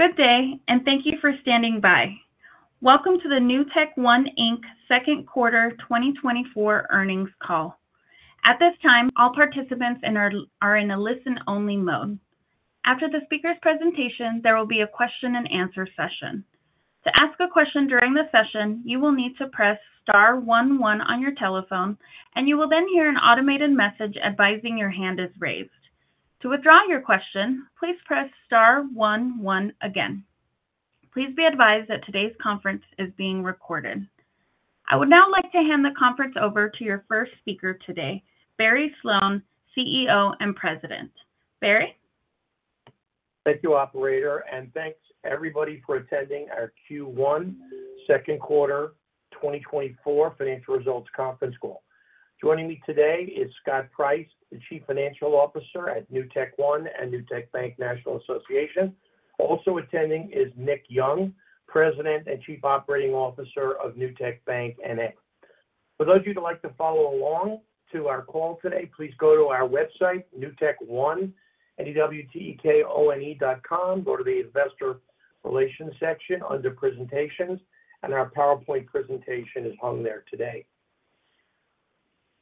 Good day, and thank you for standing by. Welcome to the NewtekOne Inc. second quarter 2024 earnings call. At this time, all participants are in a listen-only mode. After the speaker's presentation, there will be a question-and-answer session. To ask a question during the session, you will need to press star one one on your telephone, and you will then hear an automated message advising your hand is raised. To withdraw your question, please press star one one again. Please be advised that today's conference is being recorded. I would now like to hand the conference over to your first speaker today, Barry Sloane, CEO and President. Barry? Thank you, Operator, and thanks everybody for attending our Q1, second quarter 2024 financial results conference call. Joining me today is Scott Price, the Chief Financial Officer at NewtekOne and Newtek Bank, National Association. Also attending is Nick Young, President and Chief Operating Officer of Newtek Bank, N.A. For those of you who'd like to follow along to our call today, please go to our website, newtekone.com, go to the Investor Relations section under Presentations, and our PowerPoint presentation is hung there today.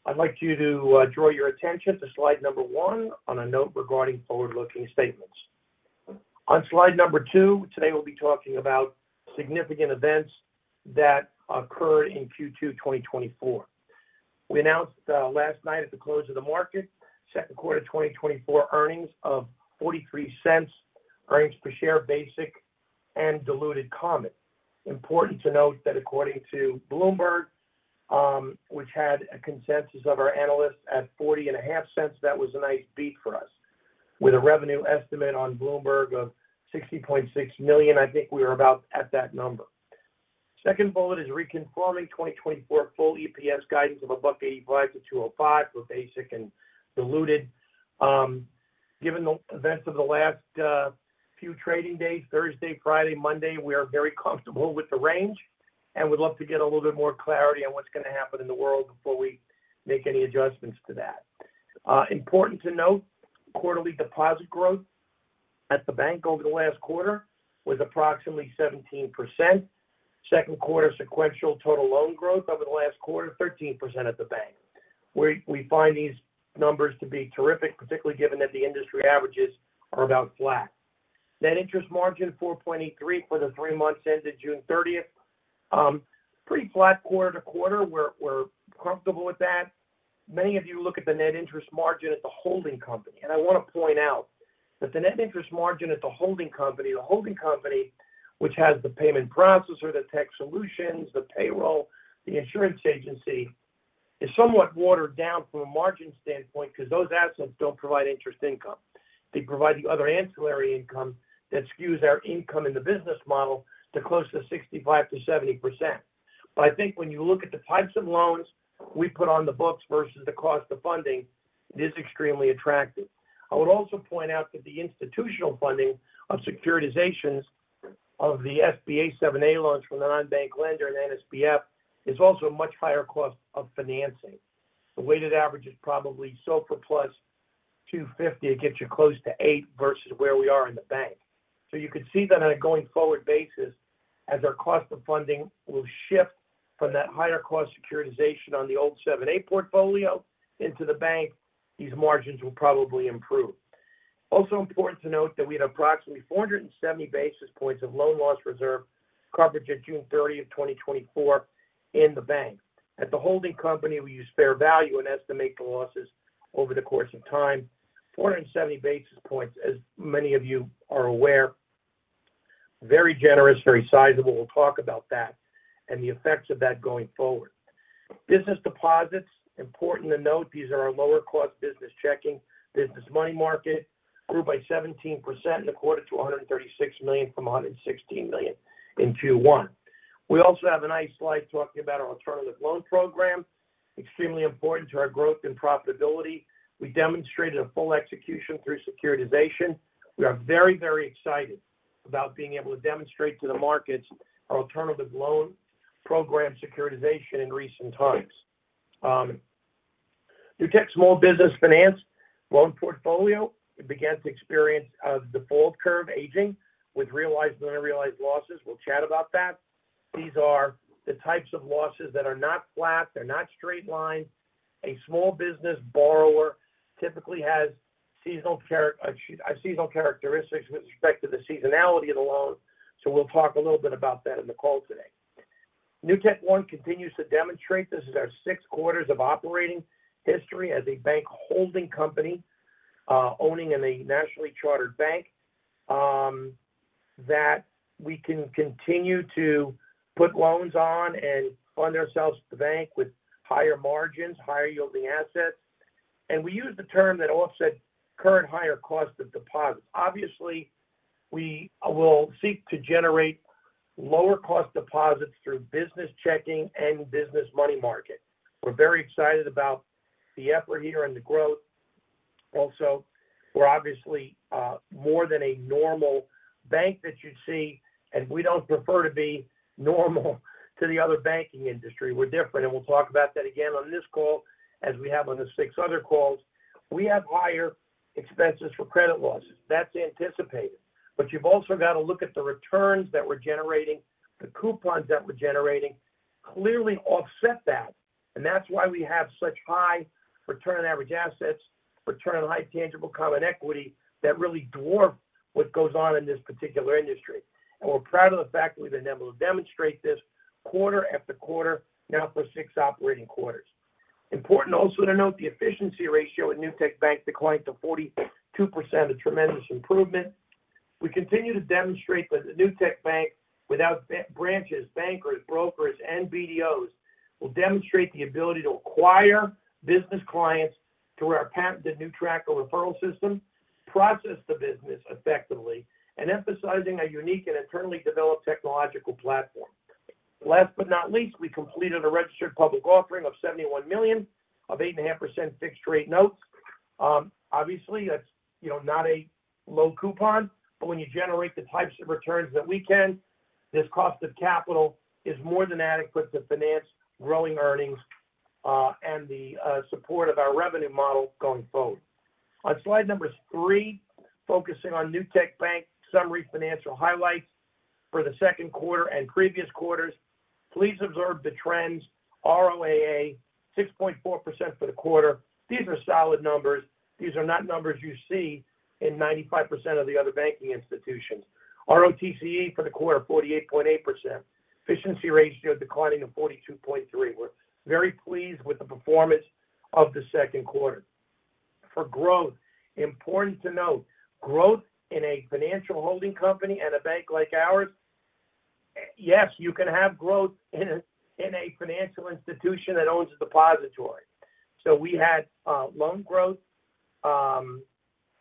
I'd like you to draw your attention to slide number one on a note regarding forward-looking statements. On slide number two, today we'll be talking about significant events that occurred in Q2 2024. We announced last night at the close of the market, second quarter 2024 earnings of $0.43 earnings per share, basic and diluted common. Important to note that according to Bloomberg, which had a consensus of our analysts at $0.405, that was a nice beat for us. With a revenue estimate on Bloomberg of $60.6 million, I think we were about at that number. Second bullet is reconfirming 2024 full EPS guidance of $1.85-$2.05 for basic and diluted. Given the events of the last few trading days, Thursday, Friday, Monday, we are very comfortable with the range and would love to get a little bit more clarity on what's going to happen in the world before we make any adjustments to that. Important to note, quarterly deposit growth at the bank over the last quarter was approximately 17%. Second quarter sequential total loan growth over the last quarter, 13% at the bank. We find these numbers to be terrific, particularly given that the industry averages are about flat. Net interest margin 4.83% for the three months ended June 30th. Pretty flat quarter-to-quarter. We're comfortable with that. Many of you look at the net interest margin at the holding company, and I want to point out that the net interest margin at the holding company, the holding company which has the payment processor, the tech solutions, the payroll, the insurance agency, is somewhat watered down from a margin standpoint because those assets don't provide interest income. They provide the other ancillary income that skews our income in the business model to close to 65%-70%. But I think when you look at the types of loans we put on the books versus the cost of funding, it is extremely attractive. I would also point out that the institutional funding of securitizations of the SBA 7(a) loans from the non-bank lender and NSBF is also a much higher cost of financing. The weighted average is probably SOFR plus 250. It gets you close to eight versus where we are in the bank. So you could see that on a going forward basis as our cost of funding will shift from that higher cost securitization on the old 7(a) portfolio into the bank, these margins will probably improve. Also important to note that we had approximately 470 basis points of loan loss reserve coverage at June 30th, 2024, in the bank. At the holding company, we use Fair Value and estimate the losses over the course of time. 470 basis points, as many of you are aware, very generous, very sizable. We'll talk about that and the effects of that going forward. Business deposits, important to note, these are our lower cost business checking, business money market, grew by 17% in the quarter to $136 million from $116 million in Q1. We also have a nice slide talking about our Alternative Loan Program, extremely important to our growth and profitability. We demonstrated a full execution through securitization. We are very, very excited about being able to demonstrate to the markets our Alternative Loan Program securitization in recent times. Newtek Small Business Finance loan portfolio began to experience the default curve aging with realized and unrealized losses. We'll chat about that. These are the types of losses that are not flat. They're not straight lines. A small business borrower typically has seasonal characteristics with respect to the seasonality of the loan. So we'll talk a little bit about that in the call today. NewtekOne continues to demonstrate this is our six quarters of operating history as a bank holding company owning in a nationally chartered bank that we can continue to put loans on and fund ourselves at the bank with higher margins, higher yielding assets. And we use the term that offset current higher cost of deposits. Obviously, we will seek to generate lower-cost deposits through business checking and business money market. We're very excited about the effort here and the growth. Also, we're obviously more than a normal bank that you'd see, and we don't prefer to be normal to the other banking industry. We're different, and we'll talk about that again on this call as we have on the six other calls. We have higher expenses for credit losses. That's anticipated. But you've also got to look at the returns that we're generating, the coupons that we're generating clearly offset that. And that's why we have such high return on average assets, return on high tangible common equity that really dwarf what goes on in this particular industry. And we're proud of the fact that we've been able to demonstrate this quarter after quarter now for six operating quarters. Important also to note the efficiency ratio at Newtek Bank declined to 42%, a tremendous improvement. We continue to demonstrate that the Newtek Bank, without branches, bankers, brokers, and BDOs, will demonstrate the ability to acquire business clients through our patented NewTracker referral system, process the business effectively, and emphasizing our unique and internally developed technological platform. Last but not least, we completed a registered public offering of $71 million of 8.5% fixed rate notes. Obviously, that's not a low coupon, but when you generate the types of returns that we can, this cost of capital is more than adequate to finance growing earnings and the support of our revenue model going forward. On slide number three, focusing on Newtek Bank summary financial highlights for the second quarter and previous quarters, please observe the trends. ROAA 6.4% for the quarter. These are solid numbers. These are not numbers you see in 95% of the other banking institutions. ROTCE for the quarter, 48.8%. Efficiency ratio declining to 42.3%. We're very pleased with the performance of the second quarter. For growth, important to note, growth in a financial holding company and a bank like ours, yes, you can have growth in a financial institution that owns a depository. So we had loan growth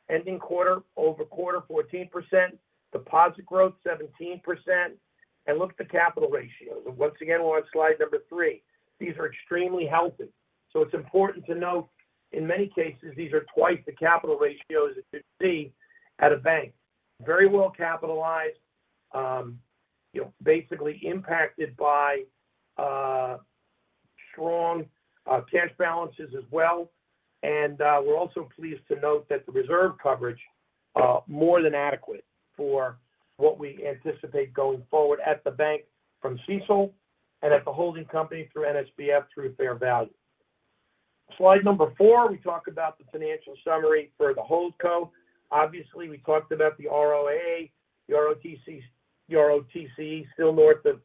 ending quarter-over-quarter, 14%, deposit growth, 17%, and look at the capital ratios. Once again, we're on slide number three. These are extremely healthy. So it's important to note in many cases, these are twice the capital ratios that you'd see at a bank. Very well capitalized, basically impacted by strong cash balances as well. And we're also pleased to note that the reserve coverage is more than adequate for what we anticipate going forward at the bank from CECL and at the holding company through NSBF through fair value. Slide number four, we talk about the financial summary for the HoldCo. Obviously, we talked about the ROAA, the ROTCE still north of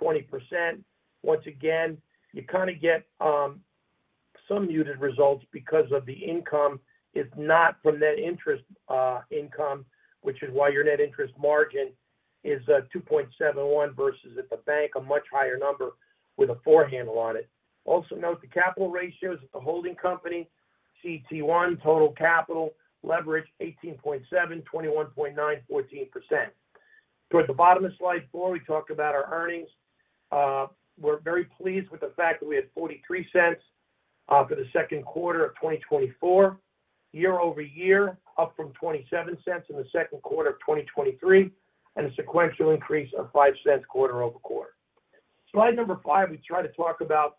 20%. Once again, you kind of get some muted results because of the income. It's not from net interest income, which is why your net interest margin is 2.71 versus at the bank, a much higher number with a four handle on it. Also note the capital ratios at the holding company, CET1, total capital, leverage 18.7%, 21.9%, 14%. Toward the bottom of slide 4, we talk about our earnings. We're very pleased with the fact that we had $0.43 for the second quarter of 2024, year-over-year, up from $0.27 in the second quarter of 2023, and a sequential increase of $0.05 quarter-over-quarter. Slide number five, we try to talk about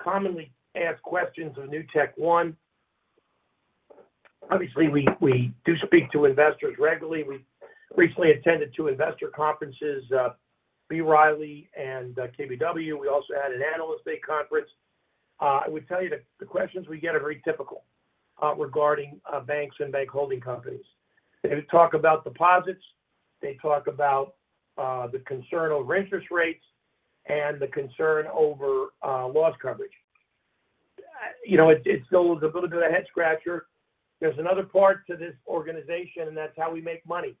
commonly asked questions of NewtekOne. Obviously, we do speak to investors regularly. We recently attended two investor conferences, B. Riley and KBW. We also had an analyst day conference. I would tell you the questions we get are very typical regarding banks and bank holding companies. They talk about deposits. They talk about the concern over interest rates and the concern over loss coverage. It still is a little bit of a head scratcher. There's another part to this organization, and that's how we make money.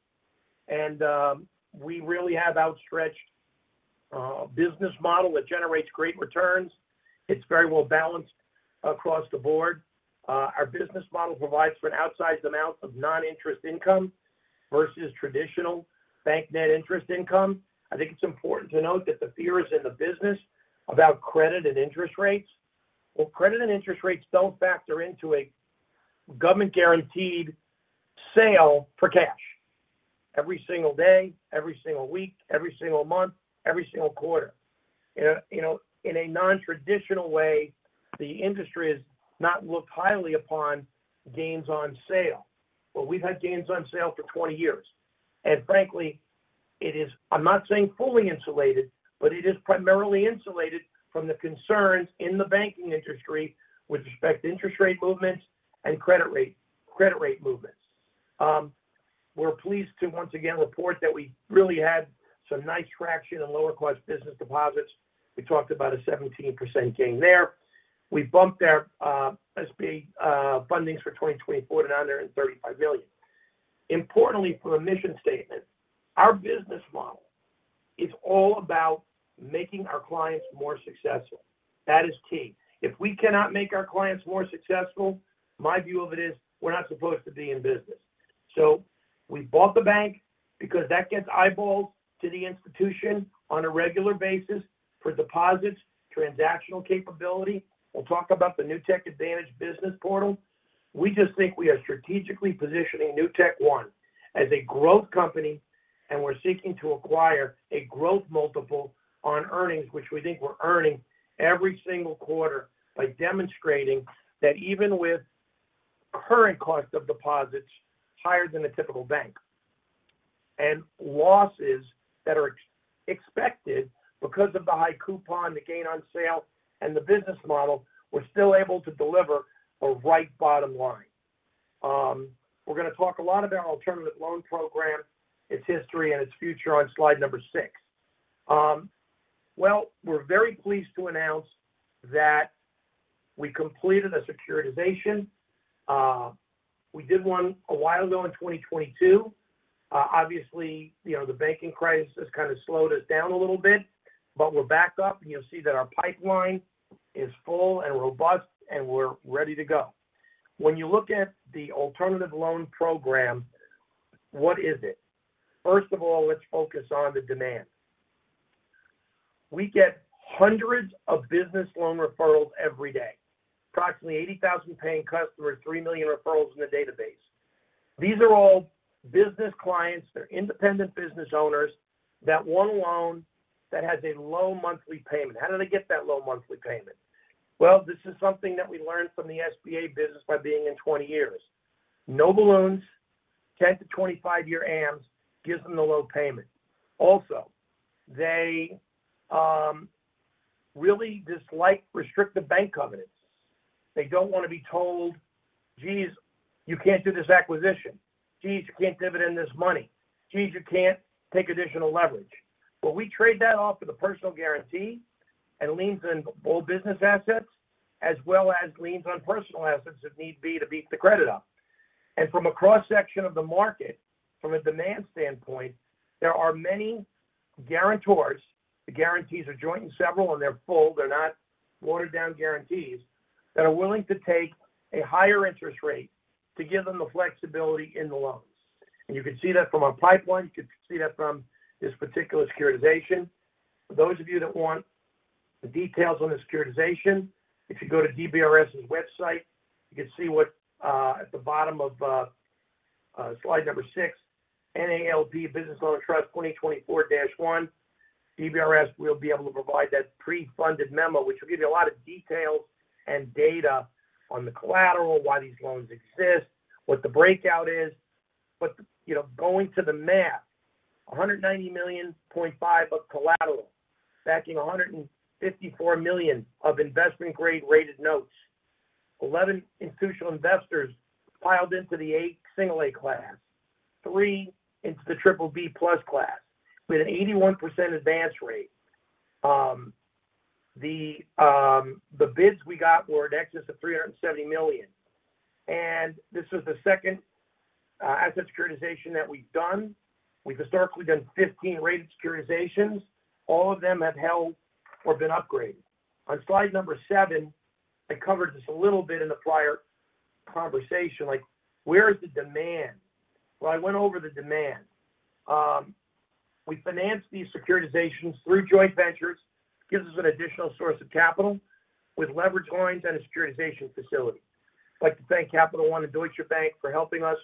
We really have outstretched a business model that generates great returns. It's very well balanced across the board. Our business model provides for an outsized amount of non-interest income versus traditional bank net interest income. I think it's important to note that the fear is in the business about credit and interest rates. Well, credit and interest rates don't factor into a government-guaranteed sale for cash every single day, every single week, every single month, every single quarter. In a non-traditional way, the industry has not looked highly upon gains on sale. Well, we've had gains on sale for 20 years. Frankly, it is, I'm not saying fully insulated, but it is primarily insulated from the concerns in the banking industry with respect to interest rate movements and credit rate movements. We're pleased to once again report that we really had some nice traction in lower-cost business deposits. We talked about a 17% gain there. We bumped our SBA fundings for 2024 to $935 million. Importantly, from a mission statement, our business model is all about making our clients more successful. That is key. If we cannot make our clients more successful, my view of it is we're not supposed to be in business. So we bought the bank because that gets eyeballs to the institution on a regular basis for deposits, transactional capability. We'll talk about the Newtek Advantage business portal. We just think we are strategically positioning NewtekOne as a growth company, and we're seeking to acquire a growth multiple on earnings, which we think we're earning every single quarter by demonstrating that even with current cost of deposits higher than a typical bank and losses that are expected because of the high coupon, the gain on sale, and the business model, we're still able to deliver a right bottom line. We're going to talk a lot about our Alternative Loan Program, its history, and its future on slide number six. Well, we're very pleased to announce that we completed a securitization. We did one a while ago in 2022. Obviously, the banking crisis kind of slowed us down a little bit, but we're back up, and you'll see that our pipeline is full and robust, and we're ready to go. When you look at the Alternative Loan Program, what is it? First of all, let's focus on the demand. We get hundreds of business loan referrals every day, approximately 80,000 paying customers, three million referrals in the database. These are all business clients. They're independent business owners that want a loan that has a low monthly payment. How do they get that low monthly payment? Well, this is something that we learned from the SBA business by being in 20 years. No balloons, 10-year-25-year ams gives them the low payment. Also, they really dislike restrictive bank covenants. They don't want to be told, "Geez, you can't do this acquisition. Geez, you can't dividend this money. Geez, you can't take additional leverage." But we trade that off with a personal guarantee and liens on all business assets as well as liens on personal assets if need be to beef the credit up. And from a cross-section of the market, from a demand standpoint, there are many guarantors. The guarantees are joint and several, and they're full. They're not watered-down guarantees that are willing to take a higher interest rate to give them the flexibility in the loans. And you can see that from our pipeline. You can see that from this particular securitization. For those of you that want the details on the securitization, if you go to DBRS's website, you can see what at the bottom of slide number six, NALB Business Loan Trust 2024-1, DBRS will be able to provide that pre-funded memo, which will give you a lot of details and data on the collateral, why these loans exist, what the breakout is. But going to the math, $190.5 million of collateral backing $154 million of investment-grade rated notes, 11 institutional investors piled into the single A class, three into the triple B plus class with an 81% advance rate. The bids we got were in excess of $370 million. This was the second asset securitization that we've done. We've historically done 15 rated securitizations. All of them have held or been upgraded. On slide number seven, I covered this a little bit in the prior conversation, like, where is the demand? Well, I went over the demand. We financed these securitizations through joint ventures, gives us an additional source of capital with leverage lines and a securitization facility. I'd like to thank Capital One and Deutsche Bank for helping us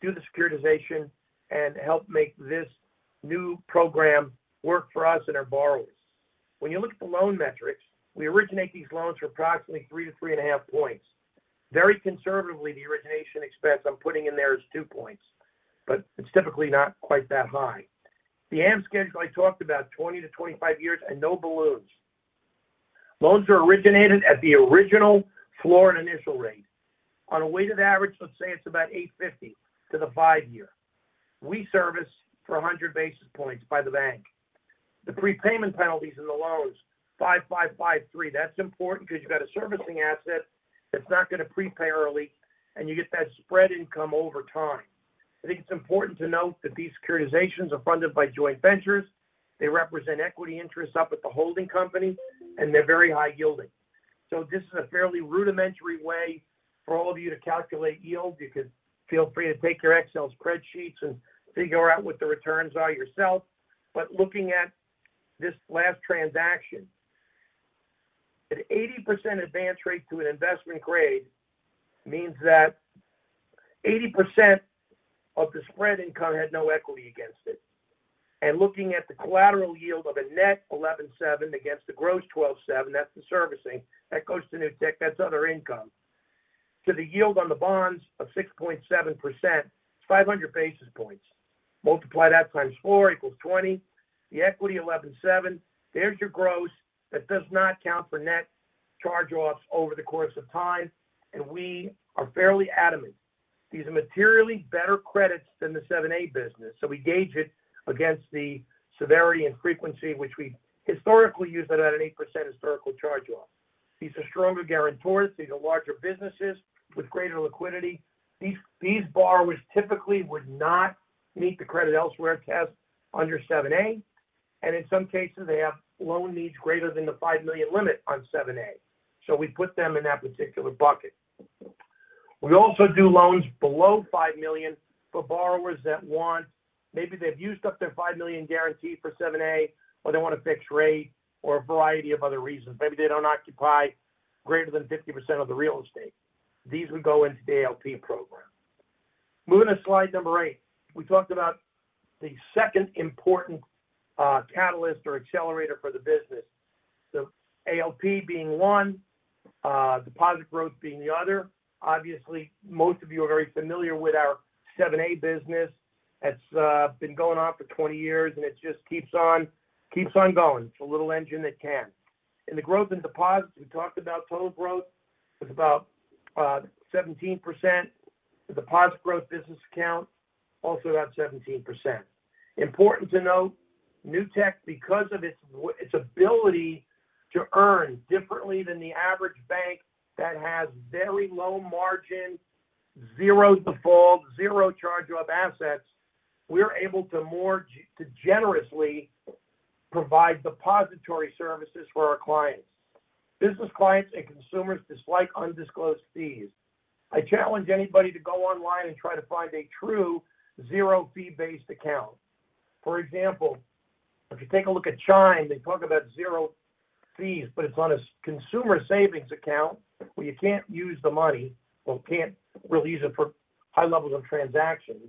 do the securitization and help make this new program work for us and our borrowers. When you look at the loan metrics, we originate these loans for approximately 3-3.5 points. Very conservatively, the origination expense I'm putting in there is two points, but it's typically not quite that high. The am schedule I talked about, 20-25 years and no balloons. Loans are originated at the original floor and initial rate. On a weighted average, let's say it's about 850 to the five year. We service for 100 basis points by the bank. The prepayment penalties in the loans, 5553, that's important because you've got a servicing asset that's not going to prepay early, and you get that spread income over time. I think it's important to note that these securitizations are funded by joint ventures. They represent equity interests up at the holding company, and they're very high yielding. So this is a fairly rudimentary way for all of you to calculate yield. You could feel free to take your Excel spreadsheets and figure out what the returns are yourself. But looking at this last transaction, an 80% advance rate to an investment grade means that 80% of the spread income had no equity against it. And looking at the collateral yield of a net 11.7 against the gross 12.7, that's the servicing. That goes to Newtek. That's other income. To the yield on the bonds of 6.7%, it's 500 basis points. Multiply that 4x equals 20. The equity 11.7, there's your gross. That does not count for net charge-offs over the course of time. We are fairly adamant these are materially better credits than the 7(a) business. So we gauge it against the severity and frequency, which we historically use at an 8% historical charge-off. These are stronger guarantors. These are larger businesses with greater liquidity. These borrowers typically would not meet the credit elsewhere test under 7(a). In some cases, they have loan needs greater than the $5 million limit on 7(a). So we put them in that particular bucket. We also do loans below $5 million for borrowers that want maybe they've used up their $5 million guarantee for 7(a), or they want a fixed rate or a variety of other reasons. Maybe they don't occupy greater than 50% of the real estate. These would go into the ALP program. Moving to slide number eight, we talked about the second important catalyst or accelerator for the business. The ALP being one, deposit growth being the other. Obviously, most of you are very familiar with our 7(a) business. It's been going on for 20 years, and it just keeps on going. It's a little engine that can. In the growth and deposits, we talked about total growth. It's about 17%. The deposit growth business account, also about 17%. Important to note, Newtek, because of its ability to earn differently than the average bank that has very low margin, zero default, zero charge-off assets, we're able to more generously provide depository services for our clients. Business clients and consumers dislike undisclosed fees. I challenge anybody to go online and try to find a true zero-fee-based account. For example, if you take a look at Chime, they talk about zero fees, but it's on a consumer savings account where you can't use the money or can't really use it for high levels of transactions.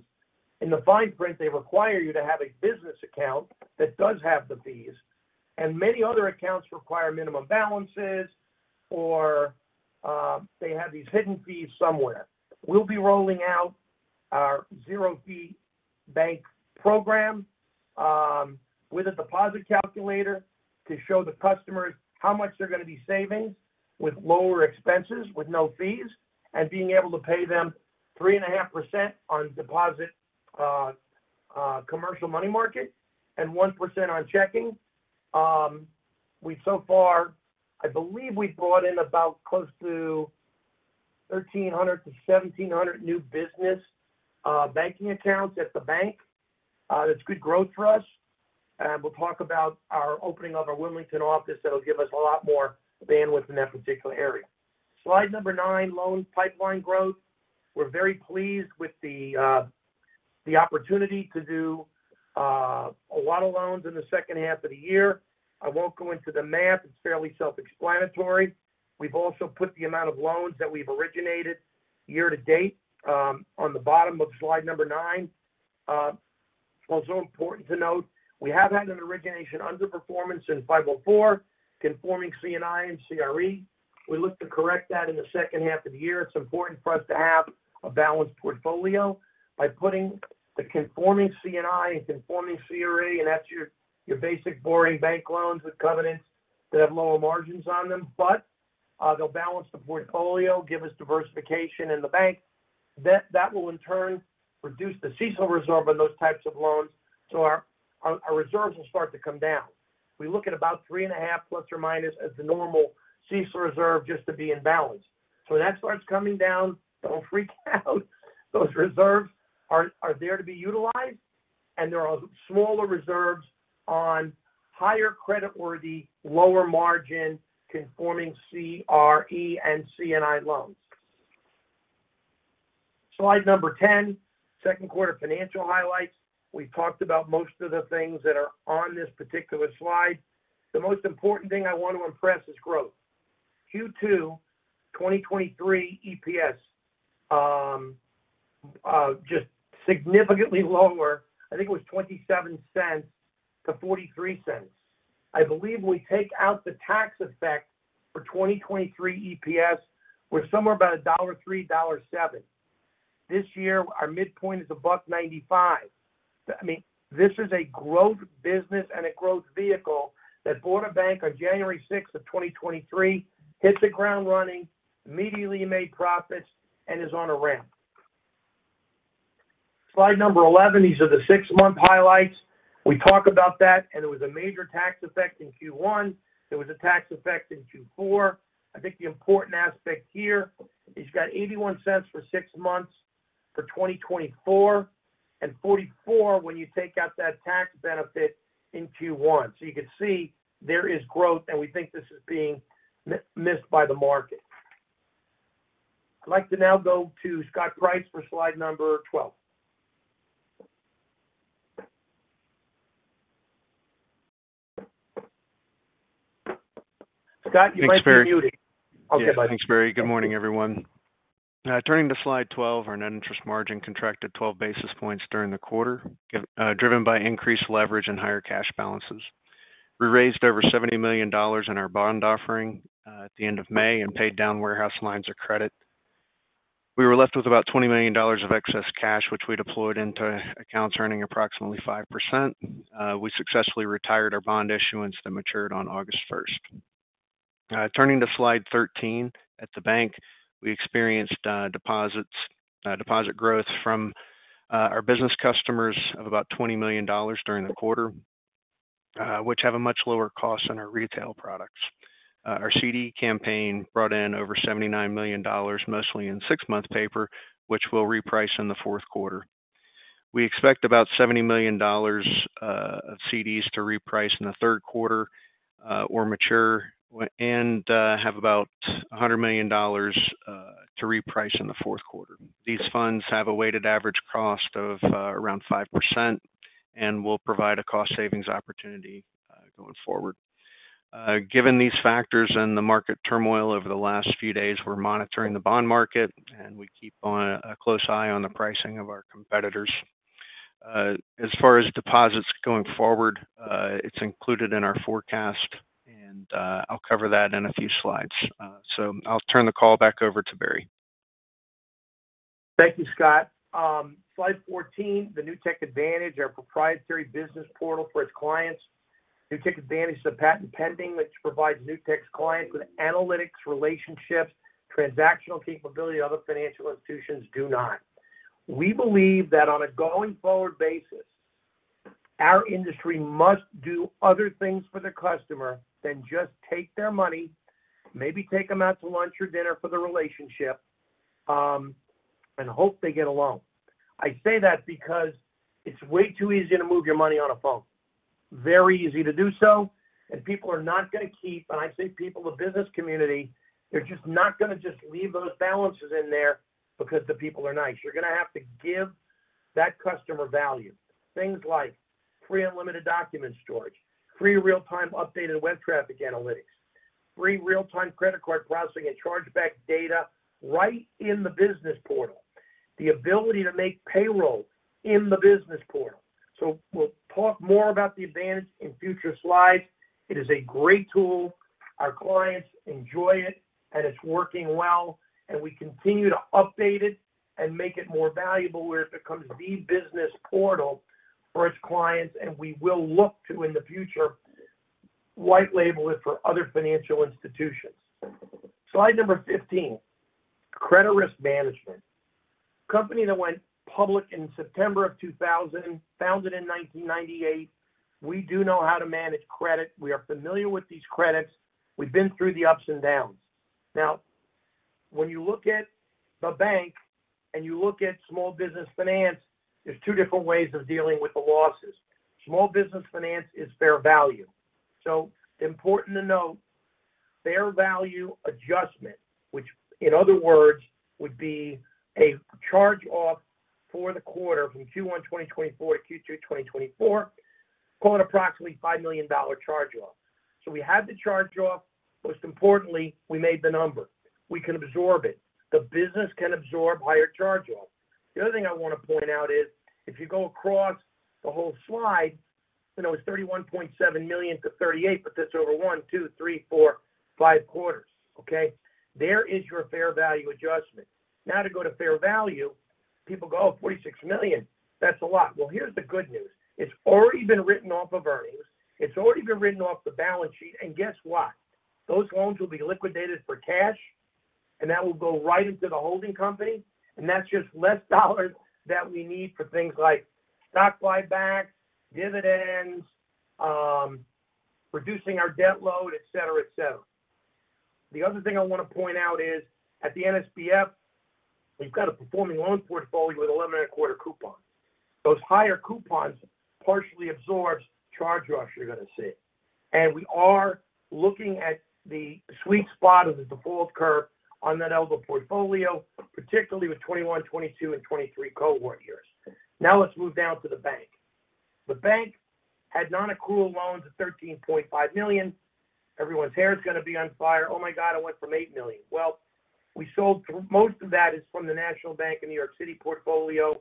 In the fine print, they require you to have a business account that does have the fees. Many other accounts require minimum balances, or they have these hidden fees somewhere. We'll be rolling out our zero-fee bank program with a deposit calculator to show the customers how much they're going to be saving with lower expenses, with no fees, and being able to pay them 3.5% on deposit commercial money market and 1% on checking. We've SOFR, I believe we've brought in about close to 1,300-1,700 new business banking accounts at the bank. That's good growth for us. We'll talk about our opening of our Wilmington office that'll give us a lot more bandwidth in that particular area. Slide number nine, loan pipeline growth. We're very pleased with the opportunity to do a lot of loans in the second half of the year. I won't go into the math. It's fairly self-explanatory. We've also put the amount of loans that we've originated year to date on the bottom of slide number nine. Also, important to note, we have had an origination underperformance in 504, conforming C&I and CRE. We look to correct that in the second half of the year. It's important for us to have a balanced portfolio by putting the conforming C&I and conforming CRE, and that's your basic boring bank loans with covenants that have lower margins on them, but they'll balance the portfolio, give us diversification in the bank. That will, in turn, reduce the CECL and reserve on those types of loans. So our reserves will start to come down. We look at about 3.5 ± as the normal CECL and reserve just to be in balance. So when that starts coming down, don't freak out. Those reserves are there to be utilized, and there are smaller reserves on higher credit-worthy, lower margin conforming CRE and C&I loans. Slide number 10, second quarter financial highlights. We've talked about most of the things that are on this particular slide. The most important thing I want to impress is growth. Q2 2023 EPS just significantly lower. I think it was $0.27-$0.43. I believe we take out the tax effect for 2023 EPS, we're somewhere about $1.03, $1.07. This year, our midpoint is $0.95. I mean, this is a growth business and a growth vehicle that bought a bank on January 6th of 2023, hit the ground running, immediately made profits, and is on a ramp. Slide 11, these are the six-months highlights. We talked about that, and there was a major tax effect in Q1. There was a tax effect in Q4. I think the important aspect here is you've got $0.81 for six-months for 2024 and $0.44 when you take out that tax benefit in Q1. So you can see there is growth, and we think this is being missed by the market. I'd like to now go to Scott Price for slide 12. Scott, you might be muted. Thanks, Barry. Okay, bye. Thanks, Barry. Good morning, everyone. Turning to slide 12, our net interest margin contracted 12 basis points during the quarter, driven by increased leverage and higher cash balances. We raised over $70 million in our bond offering at the end of May and paid down warehouse lines of credit. We were left with about $20 million of excess cash, which we deployed into accounts earning approximately 5%. We successfully retired our bond issuance that matured on August 1st. Turning to slide 13, at the bank, we experienced deposit growth from our business customers of about $20 million during the quarter, which have a much lower cost on our retail products. Our CD campaign brought in over $79 million, mostly in six-month paper, which we'll reprice in the fourth quarter. We expect about $70 million of CDs to reprice in the third quarter or mature and have about $100 million to reprice in the fourth quarter. These funds have a weighted average cost of around 5% and will provide a cost savings opportunity going forward. Given these factors and the market turmoil over the last few days, we're monitoring the bond market, and we keep a close eye on the pricing of our competitors. As far as deposits going forward, it's included in our forecast, and I'll cover that in a few slides. So I'll turn the call back over to Barry. Thank you, Scott. Slide 14, the Newtek Advantage, our proprietary business portal for its clients. Newtek Advantage is a patent pending that provides Newtek's clients with analytics relationships, transactional capability other financial institutions do not. We believe that on a going-forward basis, our industry must do other things for the customer than just take their money, maybe take them out to lunch or dinner for the relationship, and hope they get a loan. I say that because it's way too easy to move your money on a phone. Very easy to do so, and people are not going to keep, and I say people, the business community, they're just not going to just leave those balances in there because the people are nice. You're going to have to give that customer value. Things like free unlimited document storage, free real-time updated web traffic analytics, free real-time credit card processing and chargeback data right in the business portal, the ability to make payroll in the business portal. So we'll talk more about the advantage in future slides. It is a great tool. Our clients enjoy it, and it's working well, and we continue to update it and make it more valuable where it becomes the business portal for its clients, and we will look to, in the future, white-label it for other financial institutions. Slide number 15, credit risk management. Company that went public in September of 2000, founded in 1998. We do know how to manage credit. We are familiar with these credits. We've been through the ups and downs. Now, when you look at the bank and you look at small business finance, there's two different ways of dealing with the losses. Small business finance is fair value. So important to note, fair value adjustment, which in other words would be a charge-off for the quarter from Q1 2024-Q2 2024, called approximately $5 million charge-off. So we had the charge-off. Most importantly, we made the number. We can absorb it. The business can absorb higher charge-off. The other thing I want to point out is if you go across the whole slide, it's $31.7 million-$38 million, but that's over one, two, three, four, five quarters. Okay? There is your Fair Value adjustment. Now, to go to Fair Value, people go, "Oh, $46 million. That's a lot." Well, here's the good news. It's already been written off of earnings. It's already been written off the balance sheet. And guess what? Those loans will be liquidated for cash, and that will go right into the holding company. And that's just less dollars that we need for things like stock buybacks, dividends, reducing our debt load, etc., etc. The other thing I want to point out is at the NSBF, we've got a performing loan portfolio with 11.25 coupons. Those higher coupons partially absorb charge-offs you're going to see. We are looking at the sweet spot of the default curve on that older portfolio, particularly with 2021, 2022, and 2023 cohort years. Now, let's move down to the bank. The bank had non-accrual loans of $13.5 million. Everyone's hair's going to be on fire. "Oh my God, I went from $8 million." Well, most of that is from the National Bank of New York City portfolio.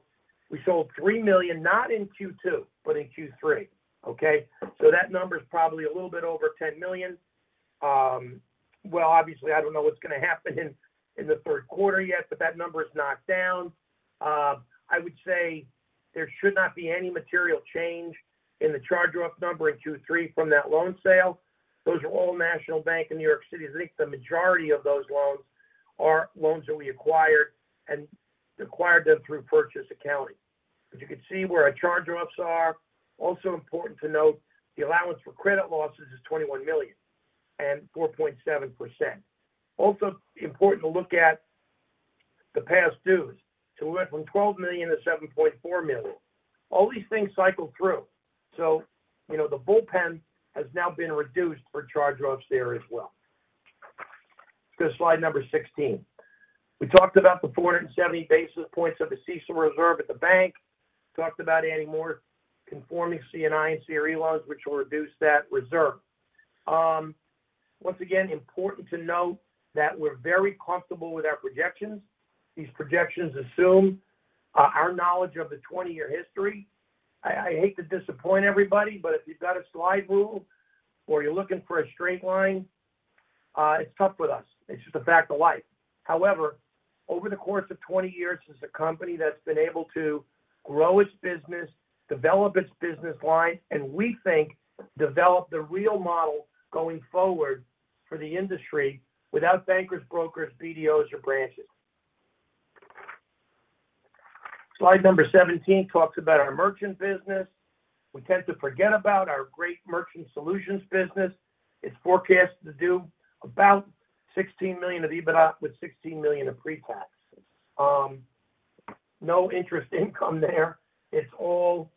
We sold $3 million, not in Q2, but in Q3. Okay? So that number is probably a little bit over $10 million. Well, obviously, I don't know what's going to happen in the third quarter yet, but that number is knocked down. I would say there should not be any material change in the charge-off number in Q3 from that loan sale. Those are all National Bank of New York City. I think the majority of those loans are loans that we acquired, and acquired them through purchase accounting. But you can see where our charge-offs are. Also important to note, the allowance for credit losses is $21 million and 4.7%. Also important to look at the past dues. So we went from $12 million to $7.4 million. All these things cycle through. So the bullpen has now been reduced for charge-offs there as well. Go to slide number 16. We talked about the 470 basis points of the CECL and reserve at the bank. Talked about adding more conforming C&I and CRE loans, which will reduce that reserve. Once again, important to note that we're very comfortable with our projections. These projections assume our knowledge of the 20-year history. I hate to disappoint everybody, but if you've got a slide rule or you're looking for a straight line, it's tough with us. It's just a fact of life. However, over the course of 20 years, it's a company that's been able to grow its business, develop its business line, and we think develop the real model going forward for the industry without bankers, brokers, BDOs, or branches. Slide number 17 talks about our merchant business. We tend to forget about our great merchant solutions business. It's forecast to do about $16 million of EBITDA with $16 million of pre-tax. No interest income there. It's all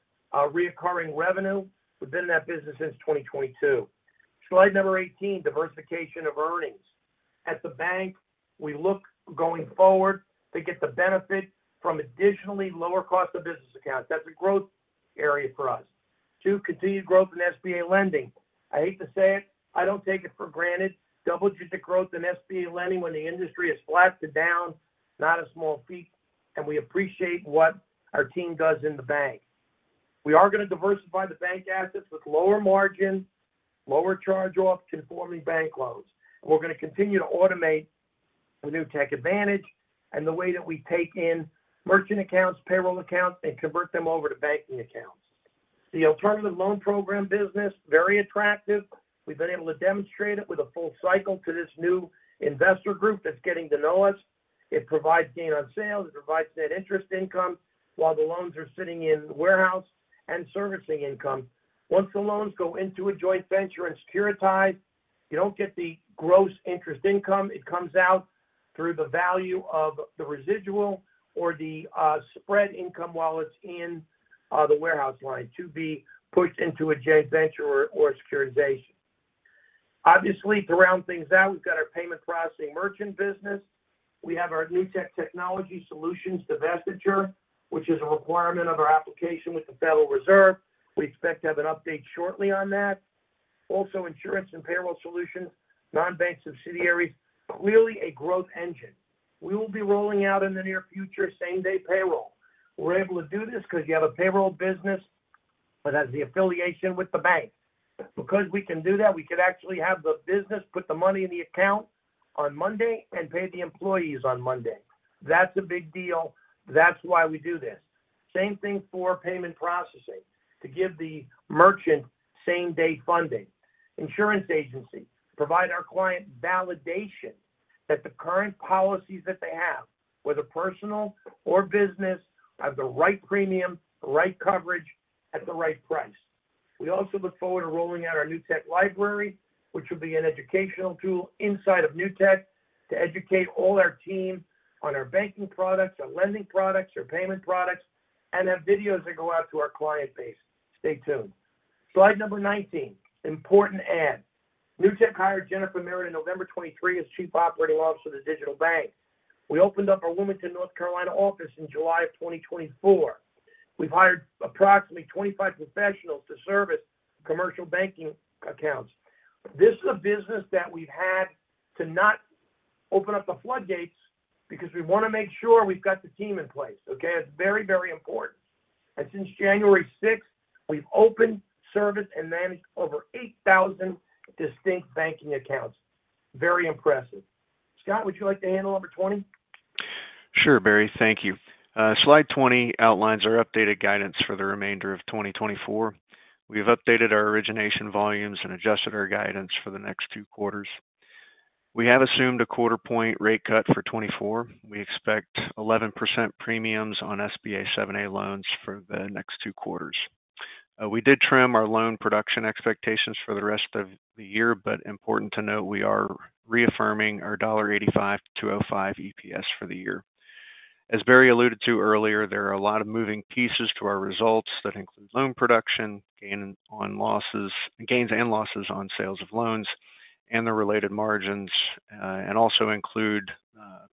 recurring revenue within that business since 2022. Slide number 18, diversification of earnings. At the bank, we look going forward to get the benefit from additionally lower cost of business accounts. That's a growth area for us. Two, continued growth in SBA lending. I hate to say it. I don't take it for granted. Double-digit growth in SBA lending when the industry is flat to down, not a small feat. And we appreciate what our team does in the bank. We are going to diversify the bank assets with lower margin, lower charge-off conforming bank loans. We're going to continue to automate the Newtek Advantage and the way that we take in merchant accounts, payroll accounts, and convert them over to banking accounts. The Alternative Loan Program business, very attractive. We've been able to demonstrate it with a full cycle to this new investor group that's getting to know us. It provides gain on sales. It provides net interest income while the loans are sitting in warehouse and servicing income. Once the loans go into a joint venture and securitize, you don't get the gross interest income. It comes out through the value of the residual or the spread income while it's in the warehouse line to be pushed into a joint venture or a securitization. Obviously, to round things out, we've got our payment processing merchant business. We have our Newtek Technology Solutions divestiture, which is a requirement of our application with the Federal Reserve. We expect to have an update shortly on that. Also, insurance and payroll solutions, non-bank subsidiaries, clearly a growth engine. We will be rolling out in the near future, same-day payroll. We're able to do this because you have a payroll business that has the affiliation with the bank. Because we can do that, we can actually have the business put the money in the account on Monday and pay the employees on Monday. That's a big deal. That's why we do this. Same thing for payment processing to give the merchant same-day funding. Insurance agency provide our client validation that the current policies that they have, whether personal or business, have the right premium, the right coverage at the right price. We also look forward to rolling out our Newtek Library, which will be an educational tool inside of Newtek to educate all our team on our banking products, our lending products, our payment products, and have videos that go out to our client base. Stay tuned. Slide number 19, important ad. Newtek hired Jennifer Merritt in November 2023 as Chief Operating Officer of the Digital Bank. We opened up our Wilmington, North Carolina, office in July 2024. We've hired approximately 25 professionals to service commercial banking accounts. This is a business that we've had to not open up the floodgates because we want to make sure we've got the team in place. Okay? It's very, very important. Since January 6th, we've opened, serviced, and managed over 8,000 distinct banking accounts. Very impressive. Scott, would you like to handle number 20? Sure, Barry. Thank you. Slide 20 outlines our updated guidance for the remainder of 2024. We have updated our origination volumes and adjusted our guidance for the next two quarters. We have assumed a quarter-point rate cut for 2024. We expect 11% premiums on SBA 7(a) loans for the next two quarters. We did trim our loan production expectations for the rest of the year, but important to note, we are reaffirming our $1.85-$2.05 EPS for the year. As Barry alluded to earlier, there are a lot of moving pieces to our results that include loan production, gains and losses on sales of loans, and the related margins, and also include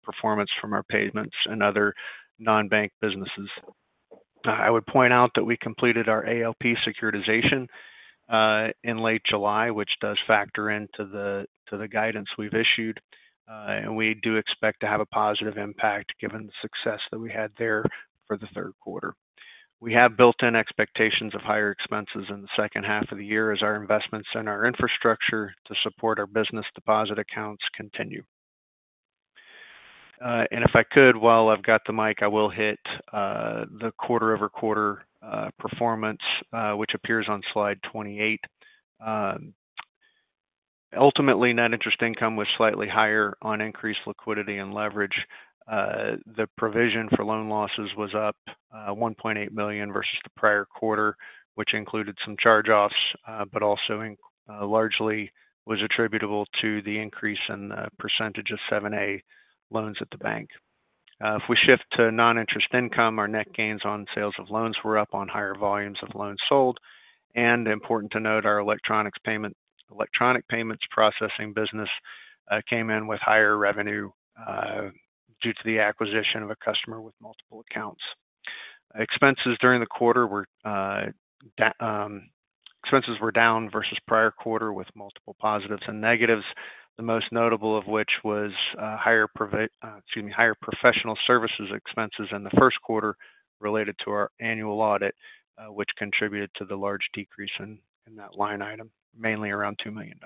performance from our payments and other non-bank businesses. I would point out that we completed our ALP securitization in late July, which does factor into the guidance we've issued. We do expect to have a positive impact given the success that we had there for the third quarter. We have built-in expectations of higher expenses in the second half of the year as our investments in our infrastructure to support our business deposit accounts continue. If I could, while I've got the mic, I will hit the quarter-over-quarter performance, which appears on slide 28. Ultimately, net interest income was slightly higher on increased liquidity and leverage. The provision for loan losses was up $1.8 million versus the prior quarter, which included some charge-offs, but also largely was attributable to the increase in the percentage of 7(a) loans at the bank. If we shift to non-interest income, our net gains on sales of loans were up on higher volumes of loans sold. And important to note, our electronic payments processing business came in with higher revenue due to the acquisition of a customer with multiple accounts. Expenses during the quarter were down versus prior-quarter with multiple positives and negatives, the most notable of which was higher professional services expenses in the first quarter related to our annual audit, which contributed to the large decrease in that line item, mainly around $2 million.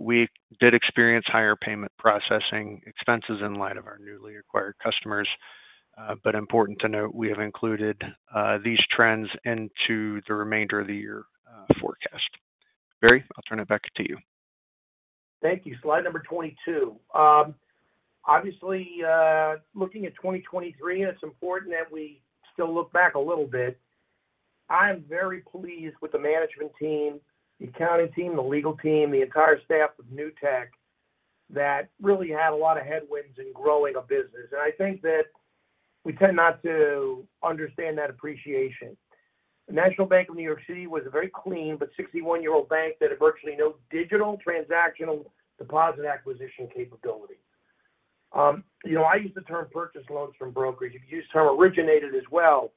We did experience higher payment processing expenses in light of our newly acquired customers. Important to note, we have included these trends into the remainder of the year forecast. Barry, I'll turn it back to you. Thank you. Slide number 22. Obviously, looking at 2023, it's important that we still look back a little bit. I am very pleased with the management team, the accounting team, the legal team, the entire staff of Newtek that really had a lot of headwinds in growing a business. I think that we tend not to understand that appreciation. The National Bank of New York City was a very clean, but 61-year-old bank that had virtually no digital transactional deposit acquisition capability. I use the term purchase loans from brokers. You could use the term originated as well.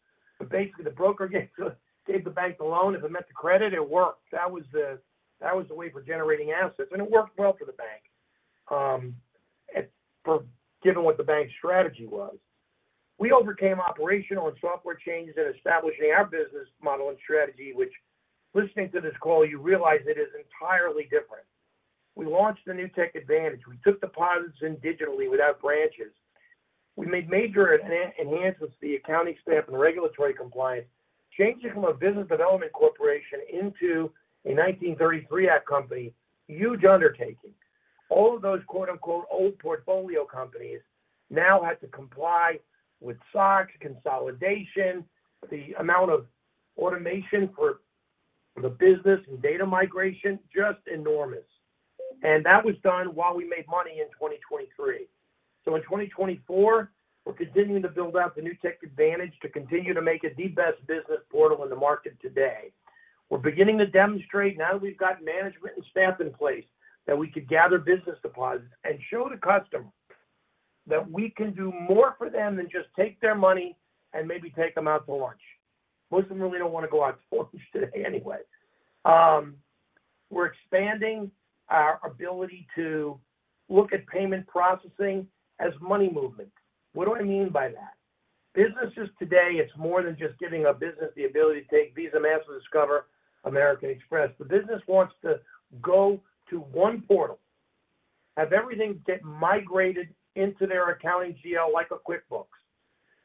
Basically, the broker gave the bank the loan. If it meant to credit, it worked. That was the way for generating assets. It worked well for the bank, given what the bank's strategy was. We overcame operational and software changes in establishing our business model and strategy, which, listening to this call, you realize it is entirely different. We launched the Newtek Advantage. We took deposits in digitally without branches. We made major enhancements to the accounting staff and regulatory compliance, changing from a business development corporation into a 1933 Act company. Huge undertaking. All of those "old portfolio companies" now had to comply with SOX consolidation. The amount of automation for the business and data migration was just enormous. That was done while we made money in 2023. In 2024, we're continuing to build out the Newtek Advantage to continue to make it the best business portal in the market today. We're beginning to demonstrate, now that we've got management and staff in place, that we could gather business deposits and show the customer that we can do more for them than just take their money and maybe take them out to lunch. Most of them really don't want to go out to lunch today anyway. We're expanding our ability to look at payment processing as money movement. What do I mean by that? Businesses today, it's more than just giving a business the ability to take Visa, Mastercard, Discover, American Express. The business wants to go to one portal, have everything get migrated into their accounting GL like a QuickBooks.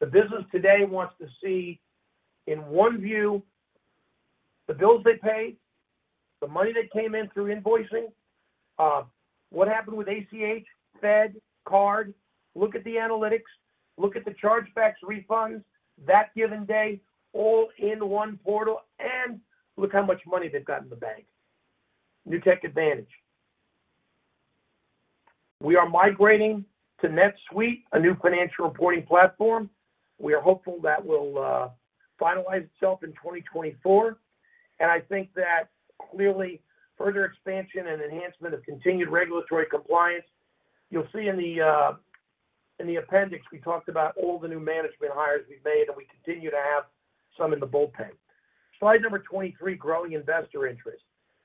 The business today wants to see in one view the bills they paid, the money that came in through invoicing, what happened with ACH, Fed, card, look at the analytics, look at the chargebacks, refunds that given day, all in one portal, and look how much money they've got in the bank. Newtek Advantage. We are migrating to NetSuite, a new financial reporting platform. We are hopeful that will finalize itself in 2024. I think that clearly, further expansion and enhancement of continued regulatory compliance. You'll see in the appendix, we talked about all the new management hires we've made, and we continue to have some in the bullpen. Slide number 23, growing investor interest.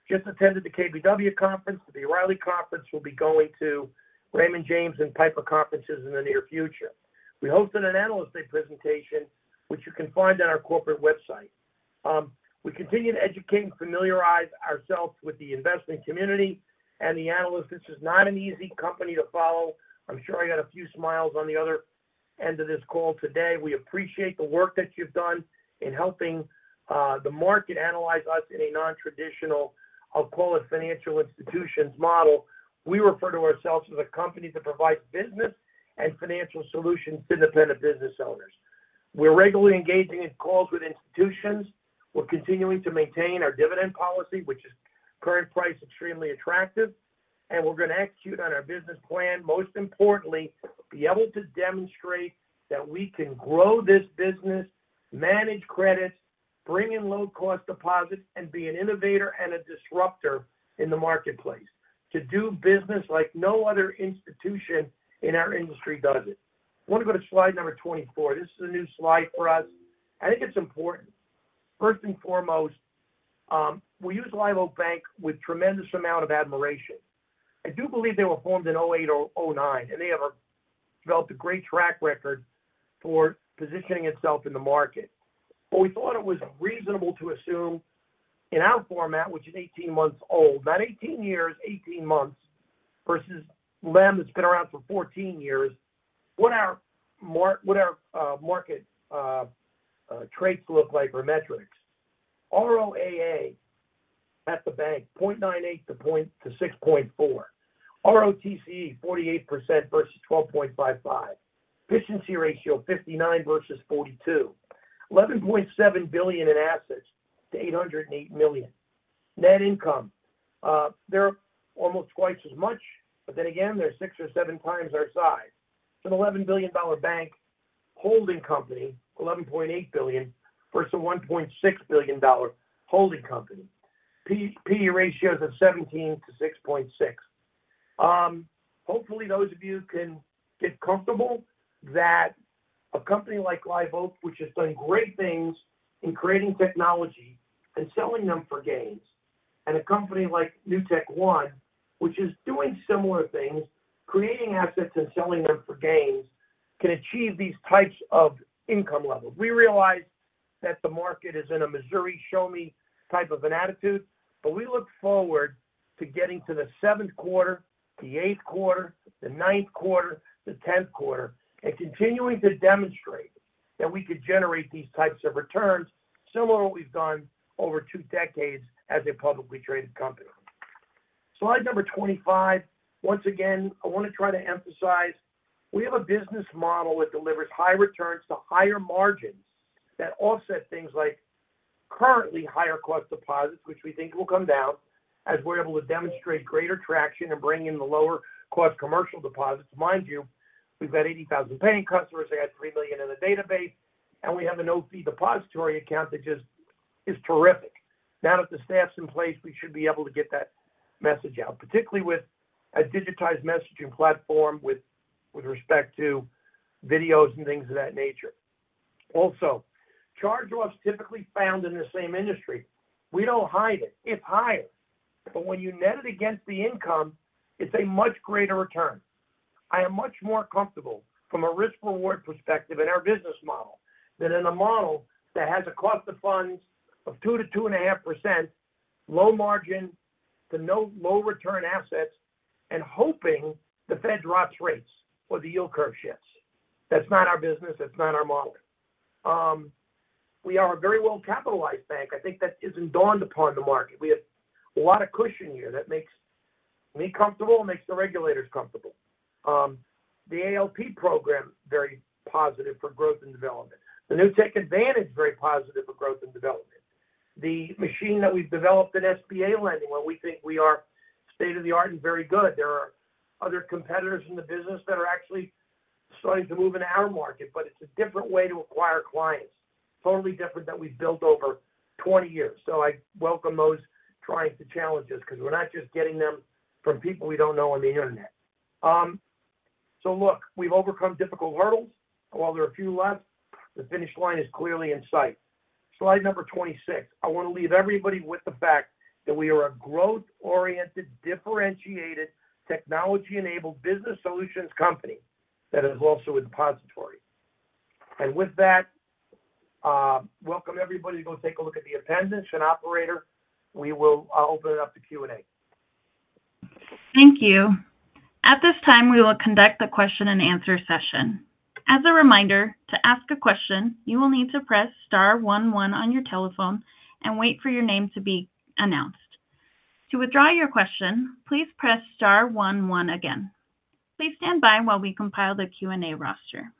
Just attended the KBW Conference. The B. Riley Conference will be going to Raymond James and Piper Conferences in the near future. We hosted an analyst day presentation, which you can find on our corporate website. We continue to educate and familiarize ourselves with the investment community and the analysts. This is not an easy company to follow. I'm sure I got a few smiles on the other end of this call today. We appreciate the work that you've done in helping the market analyze us in a non-traditional, I'll call it financial institutions model. We refer to ourselves as a company that provides business and financial solutions to independent business owners. We're regularly engaging in calls with institutions. We're continuing to maintain our dividend policy, which is current price extremely attractive. We're going to execute on our business plan. Most importantly, be able to demonstrate that we can grow this business, manage credits, bring in low-cost deposits, and be an innovator and a disruptor in the marketplace to do business like no other institution in our industry does it. I want to go to slide number 24. This is a new slide for us. I think it's important. First and foremost, we use Live Oak Bank with tremendous amount of admiration. I do believe they were formed in 2008 or 2009, and they have developed a great track record for positioning itself in the market. But we thought it was reasonable to assume in our format, which is 18 months old, not 18 years, 18 months versus Live Oak, that's been around for 14 years, what our market traits look like or metrics. ROAA at the bank, 0.98-6.4. ROTCE, 48% versus 12.55. Efficiency ratio, 59 versus 42. $11.7 billion in assets to $808 million. Net income, they're almost twice as much, but then again, they're six or seven times our size. It's an $11 billion bank holding company, $11.8 billion versus a $1.6 billion holding company. P/E ratios of 17 to 6.6. Hopefully, those of you can get comfortable that a company like Live Oak, which has done great things in creating technology and selling them for gains, and a company like NewtekOne, which is doing similar things, creating assets and selling them for gains, can achieve these types of income levels. We realize that the market is in a Missouri show-me type of an attitude, but we look forward to getting to the 7th quarter, the 8th quarter, the 9th quarter, the 10th quarter, and continuing to demonstrate that we could generate these types of returns similar to what we've done over two decades as a publicly traded company. Slide number 25. Once again, I want to try to emphasize we have a business model that delivers high returns to higher margins that offset things like currently higher cost deposits, which we think will come down as we're able to demonstrate greater traction and bring in the lower cost commercial deposits. Mind you, we've got 80,000 paying customers. They got three million in the database. We have an Op depository account that just is terrific. Now that the staff's in place, we should be able to get that message out, particularly with a digitized messaging platform with respect to videos and things of that nature. Also, charge-offs typically found in the same industry. We don't hide it. It's higher. But when you net it against the income, it's a much greater return. I am much more comfortable from a risk-reward perspective in our business model than in a model that has a cost of funds of 2%-2.5%, low margin, to no low-return assets, and hoping the Fed drops rates or the yield curve shifts. That's not our business. That's not our model. We are a very well-capitalized bank. I think that hasn't dawned upon the market. We have a lot of cushion here that makes me comfortable and makes the regulators comfortable. The ALP program, very positive for growth and development. The Newtek Advantage, very positive for growth and development. The machine that we've developed in SBA lending, where we think we are state-of-the-art and very good. There are other competitors in the business that are actually starting to move in our market, but it's a different way to acquire clients, totally different than we've built over 20 years. So I welcome those trying to challenge us because we're not just getting them from people we don't know on the internet. So look, we've overcome difficult hurdles. While there are a few left, the finish line is clearly in sight. Slide number 26. I want to leave everybody with the fact that we are a growth-oriented, differentiated, technology-enabled business solutions company that is also a depository. And with that, welcome everybody to go take a look at the appendix and operator. We will open it up to Q&A. Thank you. At this time, we will conduct the question-and-answer session. As a reminder, to ask a question, you will need to press star one one on your telephone and wait for your name to be announced. To withdraw your question, please press star one one again. Please stand by while we compile the Q&A roster.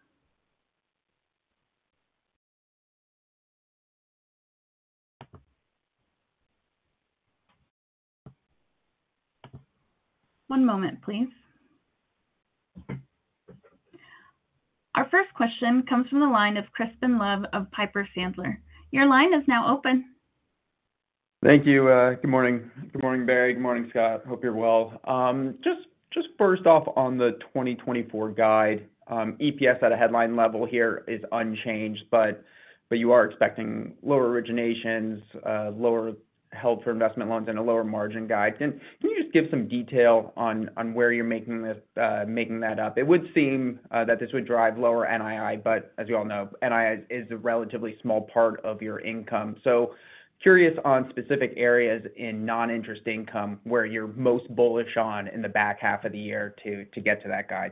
One moment, please. Our first question comes from the line of Crispin Love of Piper Sandler. Your line is now open. Thank you. Good morning. Good morning, Barry. Good morning, Scott. Hope you're well. Just first off on the 2024 guide, EPS at a headline level here is unchanged, but you are expecting lower originations, lower held for investment loans, and a lower margin guide. Can you just give some detail on where you're making that up? It would seem that this would drive lower NII, but as you all know, NII is a relatively small part of your income. So curious on specific areas in non-interest income where you're most bullish on in the back half of the year to get to that guide?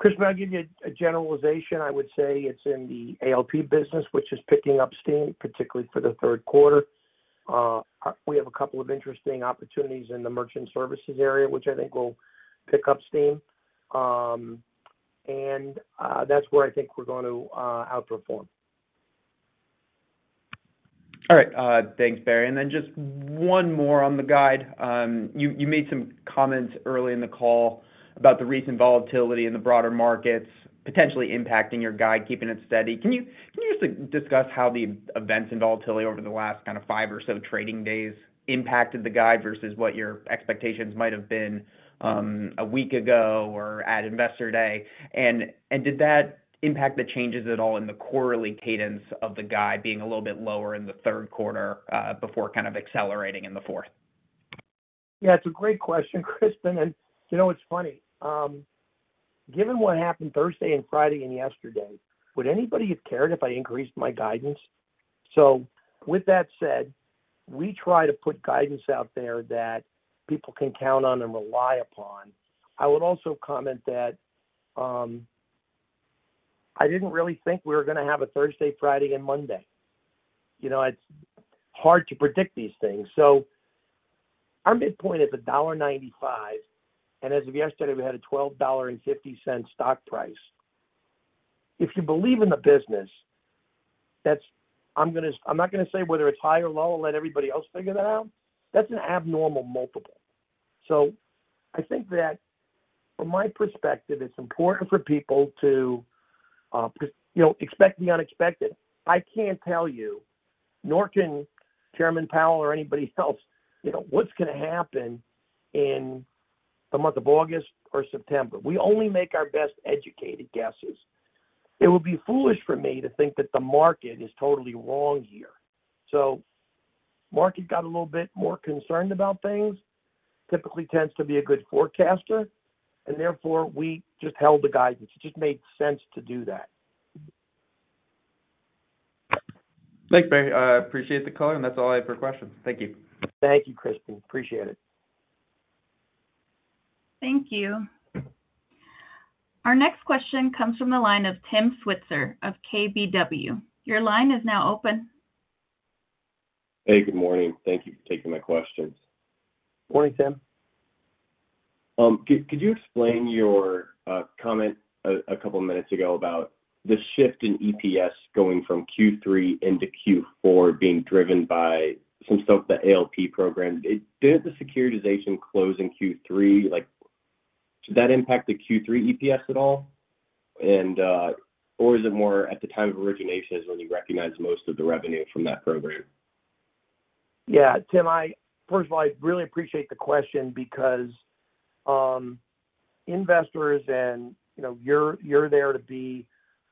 Crispin, I'll give you a generalization. I would say it's in the ALP business, which is picking up steam, particularly for the third quarter. We have a couple of interesting opportunities in the merchant services area, which I think will pick up steam. And that's where I think we're going to outperform. All right. Thanks, Barry. And then just one more on the guide. You made some comments early in the call about the recent volatility in the broader markets potentially impacting your guide, keeping it steady. Can you just discuss how the events in volatility over the last kind of five or so trading days impacted the guide versus what your expectations might have been a week ago or at investor day? And did that impact the changes at all in the quarterly cadence of the guide being a little bit lower in the third quarter before kind of accelerating in the fourth? Yeah, it's a great question, Crispin. And you know what's funny? Given what happened Thursday and Friday and yesterday, would anybody have cared if I increased my guidance? So with that said, we try to put guidance out there that people can count on and rely upon. I would also comment that I didn't really think we were going to have a Thursday, Friday, and Monday. It's hard to predict these things. So our midpoint is $1.95. As of yesterday, we had a $12.50 stock price. If you believe in the business, I'm not going to say whether it's high or low. I'll let everybody else figure that out. That's an abnormal multiple. So I think that from my perspective, it's important for people to expect the unexpected. I can't tell you, nor can Chairman Powell or anybody else, what's going to happen in the month of August or September. We only make our best educated guesses. It would be foolish for me to think that the market is totally wrong here. So market got a little bit more concerned about things, typically tends to be a good forecaster, and therefore we just held the guidance. It just made sense to do that. Thanks, Barry. I appreciate the call, and that's all I have for questions. Thank you. Thank you, Crispin. Appreciate it. Thank you. Our next question comes from the line of Tim Switzer of KBW. Your line is now open. Hey, good morning. Thank you for taking my questions. Morning, Tim. Could you explain your comment a couple of minutes ago about the shift in EPS going from Q3 into Q4 being driven by some stuff the ALP program? Didn't the securitization close in Q3? Did that impact the Q3 EPS at all? Or is it more at the time of origination is when you recognize most of the revenue from that program? Yeah, Tim, first of all, I really appreciate the question because investors and you're there to be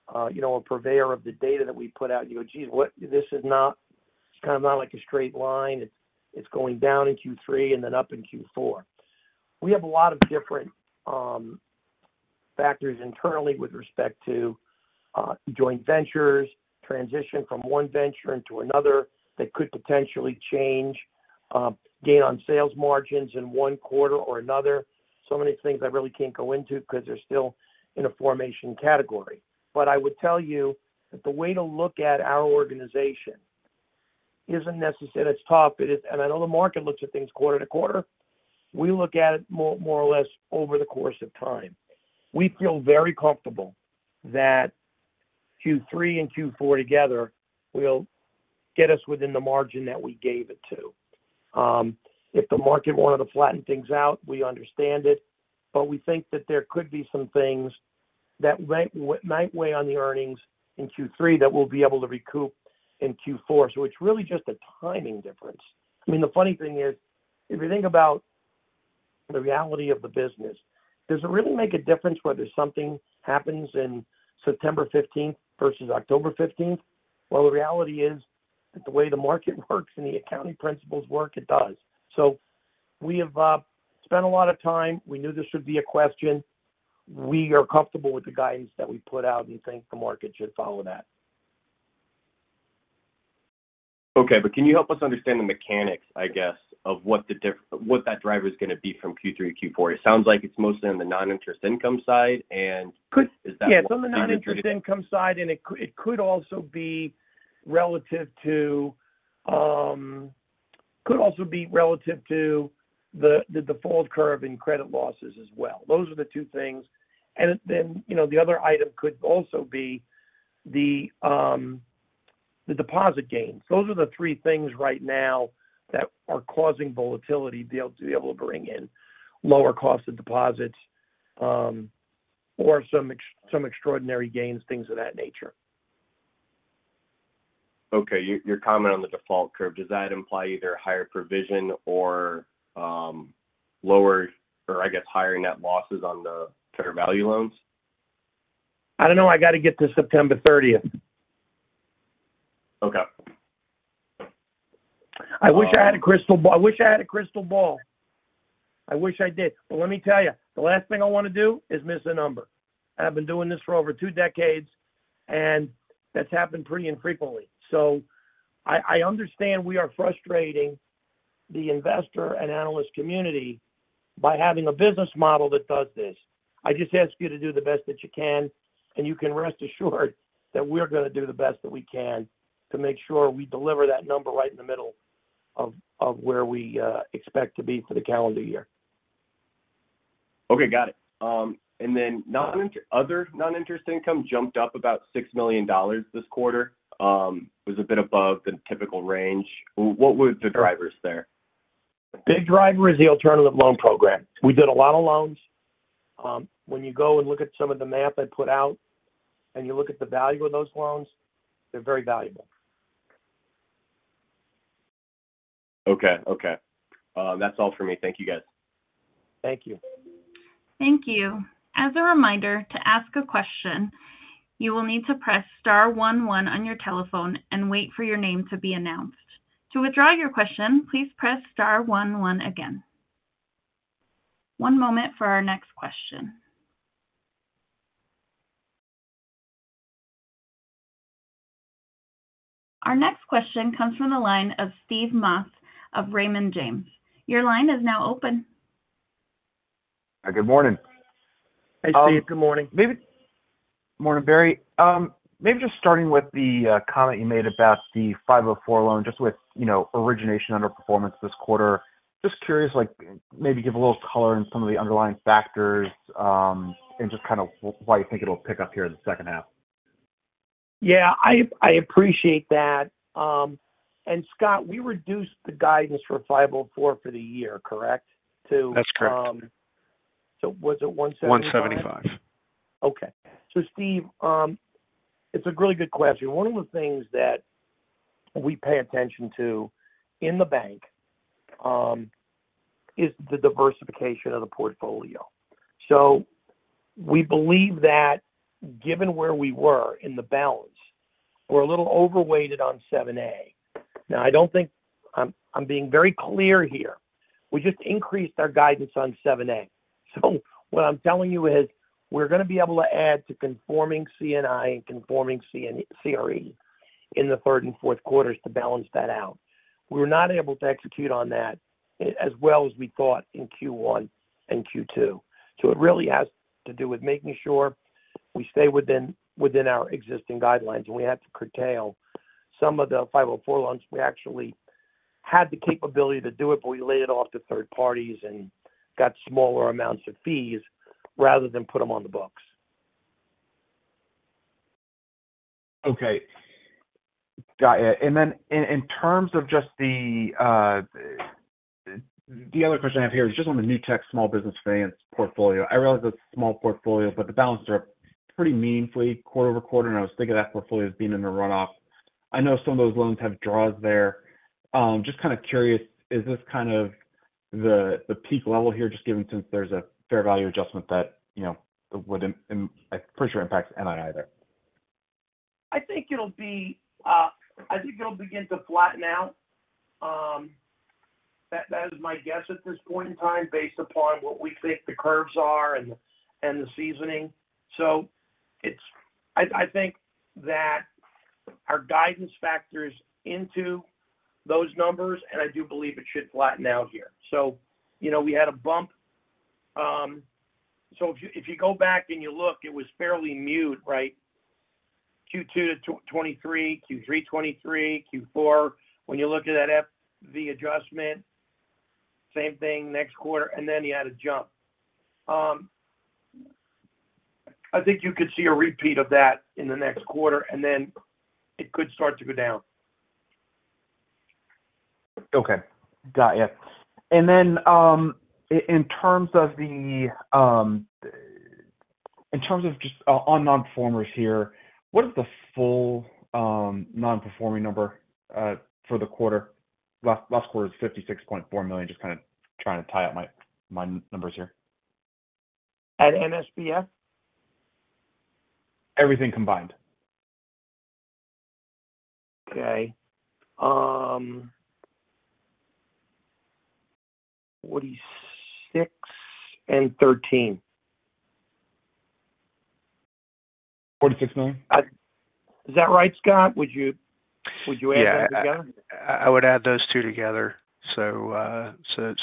a purveyor of the data that we put out. You go, "Geez, this is kind of not like a straight line. It's going down in Q3 and then up in Q4." We have a lot of different factors internally with respect to joint ventures, transition from one venture into another that could potentially change gain on sales margins in one quarter or another. So many things I really can't go into because they're still in a formation category. But I would tell you that the way to look at our organization isn't necessarily at its top. And I know the market looks at things quarter to quarter. We look at it more or less over the course of time. We feel very comfortable that Q3 and Q4 together will get us within the margin that we gave it to. If the market wanted to flatten things out, we understand it. But we think that there could be some things that might weigh on the earnings in Q3 that we'll be able to recoup in Q4. So it's really just a timing difference. I mean, the funny thing is, if you think about the reality of the business, does it really make a difference whether something happens in September 15th versus October 15th? Well, the reality is that the way the market works and the accounting principles work, it does. So we have spent a lot of time. We knew this would be a question. We are comfortable with the guidance that we put out and think the market should follow that. Okay, but can you help us understand the mechanics, I guess, of what that driver is going to be from Q3 to Q4? It sounds like it's mostly on the non-interest income side, and is that what? Yeah, it's on the non-interest income side, and it could also be relative to the default curve and credit losses as well. Those are the two things. And then the other item could also be the deposit gains. Those are the three things right now that are causing volatility to be able to bring in lower cost of deposits or some extraordinary gains, things of that nature. Okay, your comment on the default curve, does that imply either higher provision or lower or, I guess, higher net losses on the fair value loans? I don't know. I got to get to September 30th. Okay. I wish I had a crystal ball. I wish I had a crystal ball. I wish I did. But let me tell you, the last thing I want to do is miss a number. I've been doing this for over two decades, and that's happened pretty infrequently. So I understand we are frustrating the investor and analyst community by having a business model that does this. I just ask you to do the best that you can, and you can rest assured that we're going to do the best that we can to make sure we deliver that number right in the middle of where we expect to be for the calendar year. Okay, got it. And then other non-interest income jumped up about $6 million this quarter. It was a bit above the typical range. What were the drivers there? The big driver is the Alternative Loan Program. We did a lot of loans. When you go and look at some of the math I put out and you look at the value of those loans, they're very valuable. Okay, okay. That's all for me. Thank you, guys. Thank you. Thank you. As a reminder, to ask a question, you will need to press star one one on your telephone and wait for your name to be announced. To withdraw your question, please press star one one again. One moment for our next question. Our next question comes from the line of Steve Moss of Raymond James. Your line is now open. Good morning. Hey, Steve. Good morning. Maybe just starting with the comment you made about the 504 loan, just with origination under performance this quarter. Just curious, maybe give a little color in some of the underlying factors and just kind of why you think it'll pick up here in the second half. Yeah, I appreciate that. And Scott, we reduced the guidance for 504 for the year, correct? That's correct. So was it 175? 175. Okay. So Steve, it's a really good question. One of the things that we pay attention to in the bank is the diversification of the portfolio. So we believe that given where we were in the balance, we're a little overweighted on 7(a). Now, I don't think I'm being very clear here. We just increased our guidance on 7(a). So what I'm telling you is we're going to be able to add to conforming C&I and conforming CRE in the third and fourth quarters to balance that out. We were not able to execute on that as well as we thought in Q1 and Q2. So it really has to do with making sure we stay within our existing guidelines, and we had to curtail some of the 504 loans. We actually had the capability to do it, but we laid it off to third parties and got smaller amounts of fees rather than put them on the books. Okay. Got it. And then in terms of just the other question I have here, just on the Newtek Small Business Finance portfolio, I realize it's a small portfolio, but the balance are up pretty meaningfully quarter-over-quarter, and I was thinking of that portfolio as being in the runoff. I know some of those loans have draws there. Just kind of curious, is this kind of the peak level here, just given since there's a fair value adjustment that would, I'm pretty sure, impact NII there? I think it'll be I think it'll begin to flatten out. That is my guess at this point in time based upon what we think the curves are and the seasoning. So I think that our guidance factors into those numbers, and I do believe it should flatten out here. So we had a bump. So if you go back and you look, it was fairly muted, right? Q2 2023, Q3 2023, Q4. When you look at that FV adjustment, same thing, next quarter, and then you had a jump. I think you could see a repeat of that in the next quarter, and then it could start to go down. Okay. Got it. And then in terms of just nonperformers here, what is the full non-performing number for the quarter? Last quarter was $56.4 million. Just kind of trying to tie up my numbers here. At NSBF? Everything combined. Okay. $46 million and $13 million. $46 million? Is that right, Scott? Would you add that together? Yeah. I would add those two together. So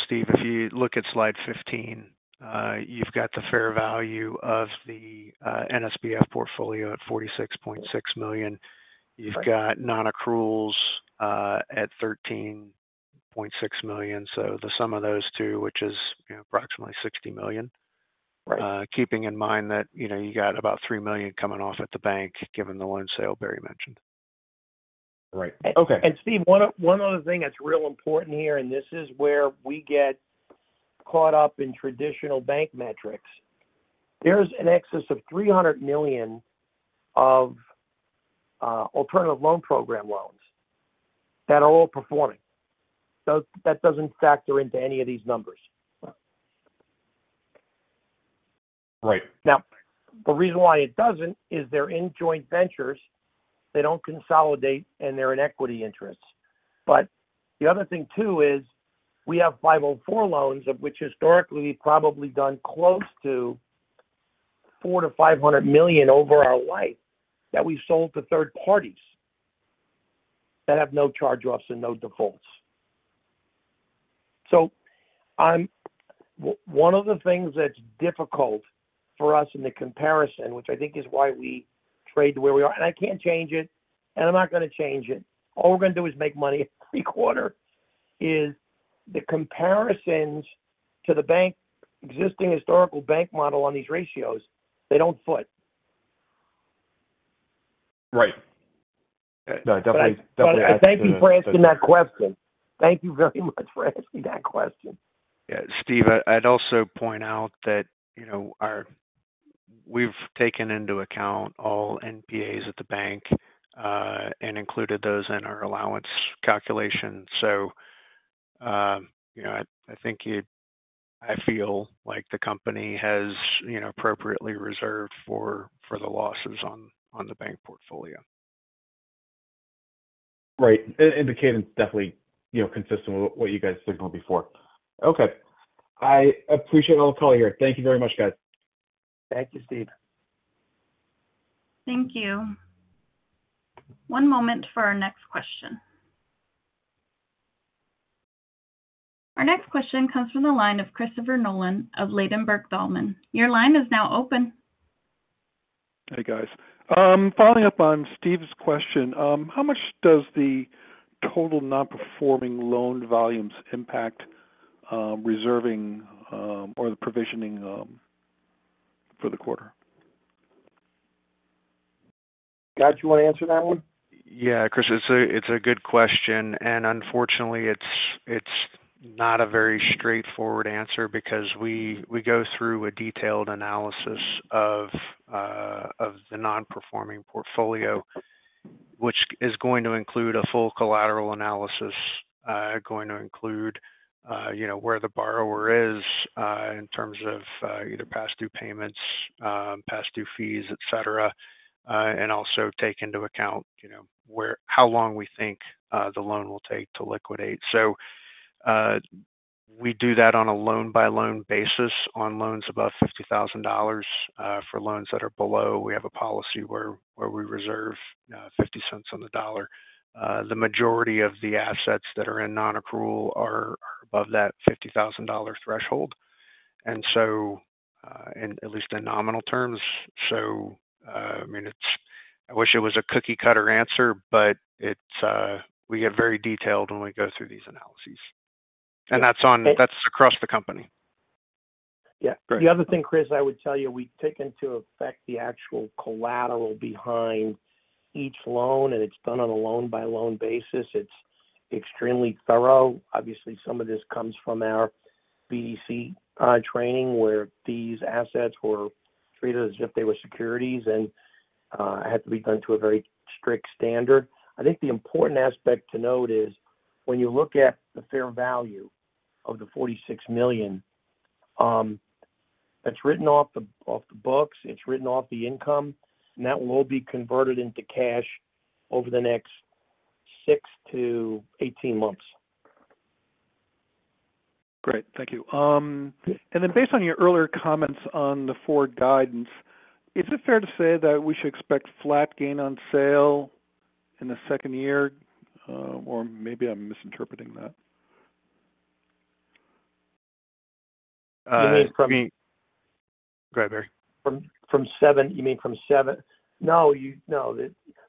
Steve, if you look at slide 15, you've got the fair value of the NSBF portfolio at $46.6 million. You've got non-accruals at $13.6 million. So the sum of those two, which is approximately $60 million, keeping in mind that you got about $3 million coming off at the bank given the loan sale Barry mentioned. Right. Okay. And Steve, one other thing that's real important here, and this is where we get caught up in traditional bank metrics. There's an excess of $300 million of alternative loan program loans that are all performing. So that doesn't factor into any of these numbers. Right. Now, the reason why it doesn't is they're in joint ventures. They don't consolidate, and they're in equity interests. But the other thing too is we have 504 loans, which historically we've probably done close to $400 million-$500 million over our life that we sold to third parties that have no charge-offs and no defaults. So one of the things that's difficult for us in the comparison, which I think is why we trade to where we are, and I can't change it, and I'm not going to change it. All we're going to do is make money every quarter is the comparisons to the existing historical bank model on these ratios, they don't foot. Right. No, definitely I think so. Thank you for asking that question. Thank you very much for asking that question. Yeah. Steve, I'd also point out that we've taken into account all NPAs at the bank and included those in our allowance calculation. So I think I feel like the company has appropriately reserved for the losses on the bank portfolio. Right. And the cadence is definitely consistent with what you guys signaled before. Okay. I appreciate all the call here. Thank you very much, guys. Thank you, Steve. Thank you. One moment for our next question. Our next question comes from the line of Christopher Nolan of Ladenburg Thalmann. Your line is now open. Hey, guys. Following up on Steve's question, how much does the total non-performing loan volumes impact reserving or the provisioning for the quarter? Scott, do you want to answer that one? Yeah, Chris, it's a good question. Unfortunately, it's not a very straightforward answer because we go through a detailed analysis of the non-performing portfolio, which is going to include a full collateral analysis, going to include where the borrower is in terms of either past due payments, past due fees, etc., and also take into account how long we think the loan will take to liquidate. We do that on a loan-by-loan basis on loans above $50,000. For loans that are below, we have a policy where we reserve $0.50 on the dollar. The majority of the assets that are in non-accrual are above that $50,000 threshold, and so at least in nominal terms. So I mean, I wish it was a cookie-cutter answer, but we get very detailed when we go through these analyses. And that's across the company. Yeah. The other thing, Chris, I would tell you, we take into effect the actual collateral behind each loan, and it's done on a loan-by-loan basis. It's extremely thorough. Obviously, some of this comes from our BDC training where these assets were treated as if they were securities and had to be done to a very strict standard. I think the important aspect to note is when you look at the fair value of the $46 million, that's written off the books, it's written off the income, and that will all be converted into cash over the next six-18 months. Great. Thank you. And then based on your earlier comments on the forward guidance, is it fair to say that we should expect flat gain on sale in the second year? Or maybe I'm misinterpreting that. You mean from. Go ahead, Barry. From seven, you mean from seven? No, no.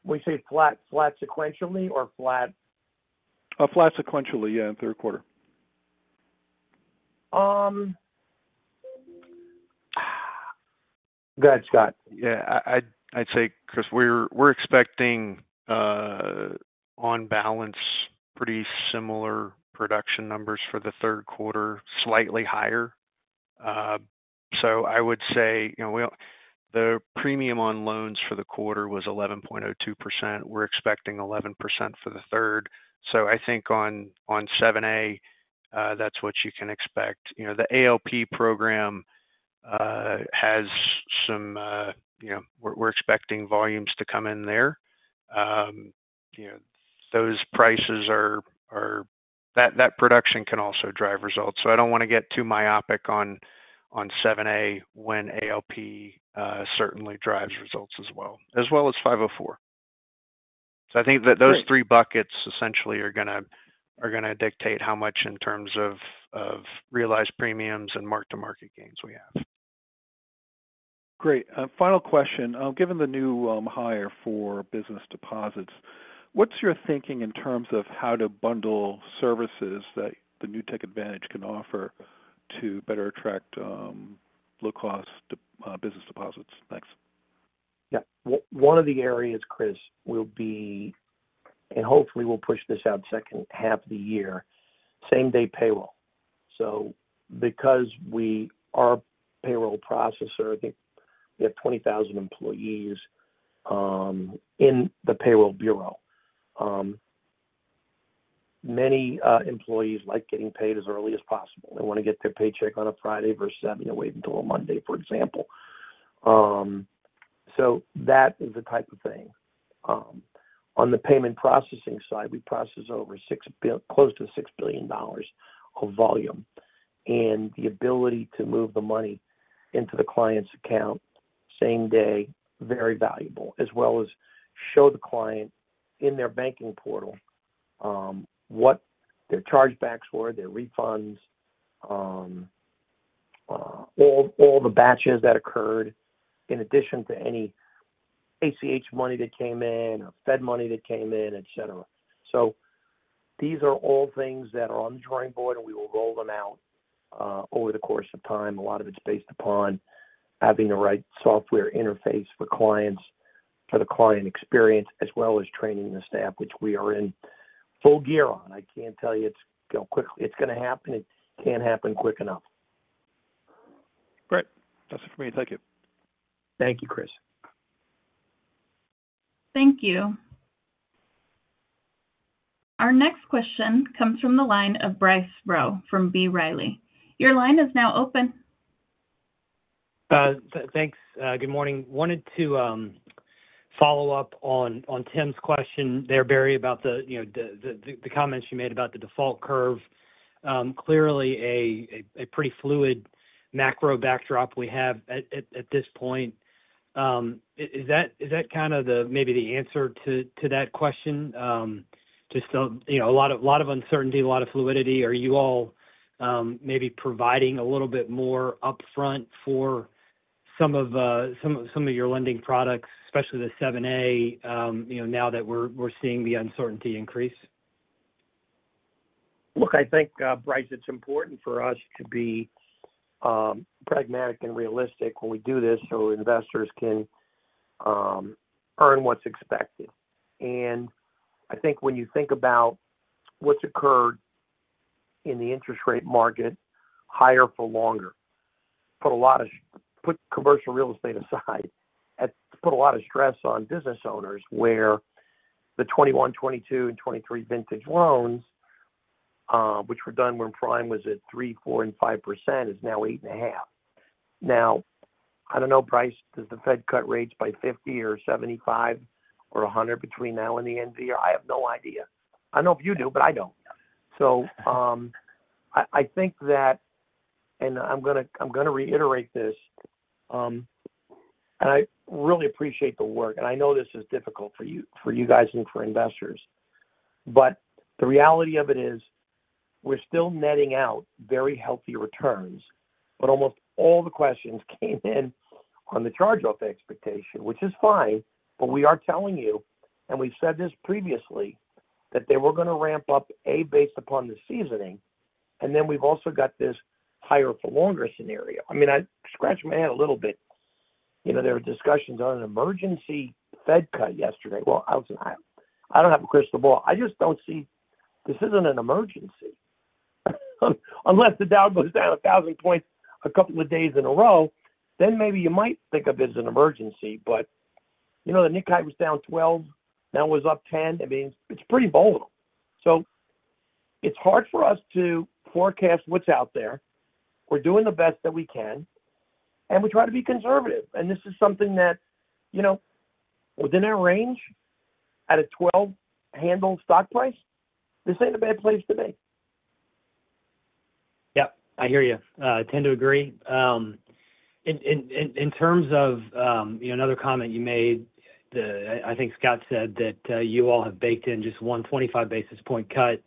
When you say flat, flat sequentially or flat? Flat sequentially, yeah, in the third quarter. Go ahead, Scott. Yeah. I'd say, Chris, we're expecting on balance pretty similar production numbers for the third quarter, slightly higher. So I would say the premium on loans for the quarter was 11.02%. We're expecting 11% for the third. So I think on 7(a), that's what you can expect. The ALP program has some we're expecting volumes to come in there. Those prices are that production can also drive results. So I don't want to get too myopic on 7(a) when ALP certainly drives results as well, as well as 504. So I think that those three buckets essentially are going to dictate how much in terms of realized premiums and mark-to-market gains we have. Great. Final question. Given the new hire for business deposits, what's your thinking in terms of how to bundle services that the Newtek Advantage can offer to better attract low-cost business deposits? Thanks. Yeah. One of the areas, Chris, will be, and hopefully we'll push this out second half of the year, same-day payroll. So because we are a payroll processor, I think we have 20,000 employees in the payroll bureau. Many employees like getting paid as early as possible. They want to get their paycheck on a Friday versus having to wait until a Monday, for example. So that is the type of thing. On the payment processing side, we process over close to $6 billion of volume. And the ability to move the money into the client's account same day, very valuable, as well as show the client in their banking portal what their chargebacks were, their refunds, all the batches that occurred in addition to any ACH money that came in or Fed money that came in, etc. So these are all things that are on the drawing board, and we will roll them out over the course of time. A lot of it's based upon having the right software interface for clients, for the client experience, as well as training the staff, which we are in full gear on. I can't tell you it's going to happen. It can't happen quick enough. Great. That's it for me. Thank you. Thank you, Chris. Thank you. Our next question comes from the line of Bryce Rowe from B. Riley. Your line is now open. Thanks. Good morning. Wanted to follow up on Tim's question there, Barry, about the comments you made about the default curve. Clearly, a pretty fluid macro backdrop we have at this point. Is that kind of maybe the answer to that question? Just a lot of uncertainty, a lot of fluidity. Are you all maybe providing a little bit more upfront for some of your lending products, especially the 7(a), now that we're seeing the uncertainty increase? Look, I think, Bryce, it's important for us to be pragmatic and realistic when we do this so investors can earn what's expected. I think when you think about what's occurred in the interest rate market, higher for longer, put a lot of commercial real estate aside, put a lot of stress on business owners where the 2021, 2022, and 2023 vintage loans, which were done when Prime was at 3%, 4%, and 5%, is now 8.5%. Now, I don't know, Bryce, does the Fed cut rates by 50 or 75 or 100 between now and the end of the year? I have no idea. I don't know if you do, but I don't. So I think that, and I'm going to reiterate this, and I really appreciate the work. And I know this is difficult for you guys and for investors. But the reality of it is we're still netting out very healthy returns. But almost all the questions came in on the charge-off expectation, which is fine. But we are telling you, and we've said this previously, that they were going to ramp up A, based upon the seasoning. And then we've also got this higher for longer scenario. I mean, I scratched my head a little bit. There were discussions on an emergency Fed cut yesterday. Well, I don't have a crystal ball. I just don't see this as an emergency. Unless the Dow goes down 1,000 points a couple of days in a row, then maybe you might think of it as an emergency. But the Nikkei was down 12, now it was up 10. I mean, it's pretty volatile. So it's hard for us to forecast what's out there. We're doing the best that we can. And we try to be conservative. And this is something that within our range, at a 12-handle stock price, this ain't a bad place to be. Yep. I hear you. I tend to agree. In terms of another comment you made, I think Scott said that you all have baked in just one 25 basis point cut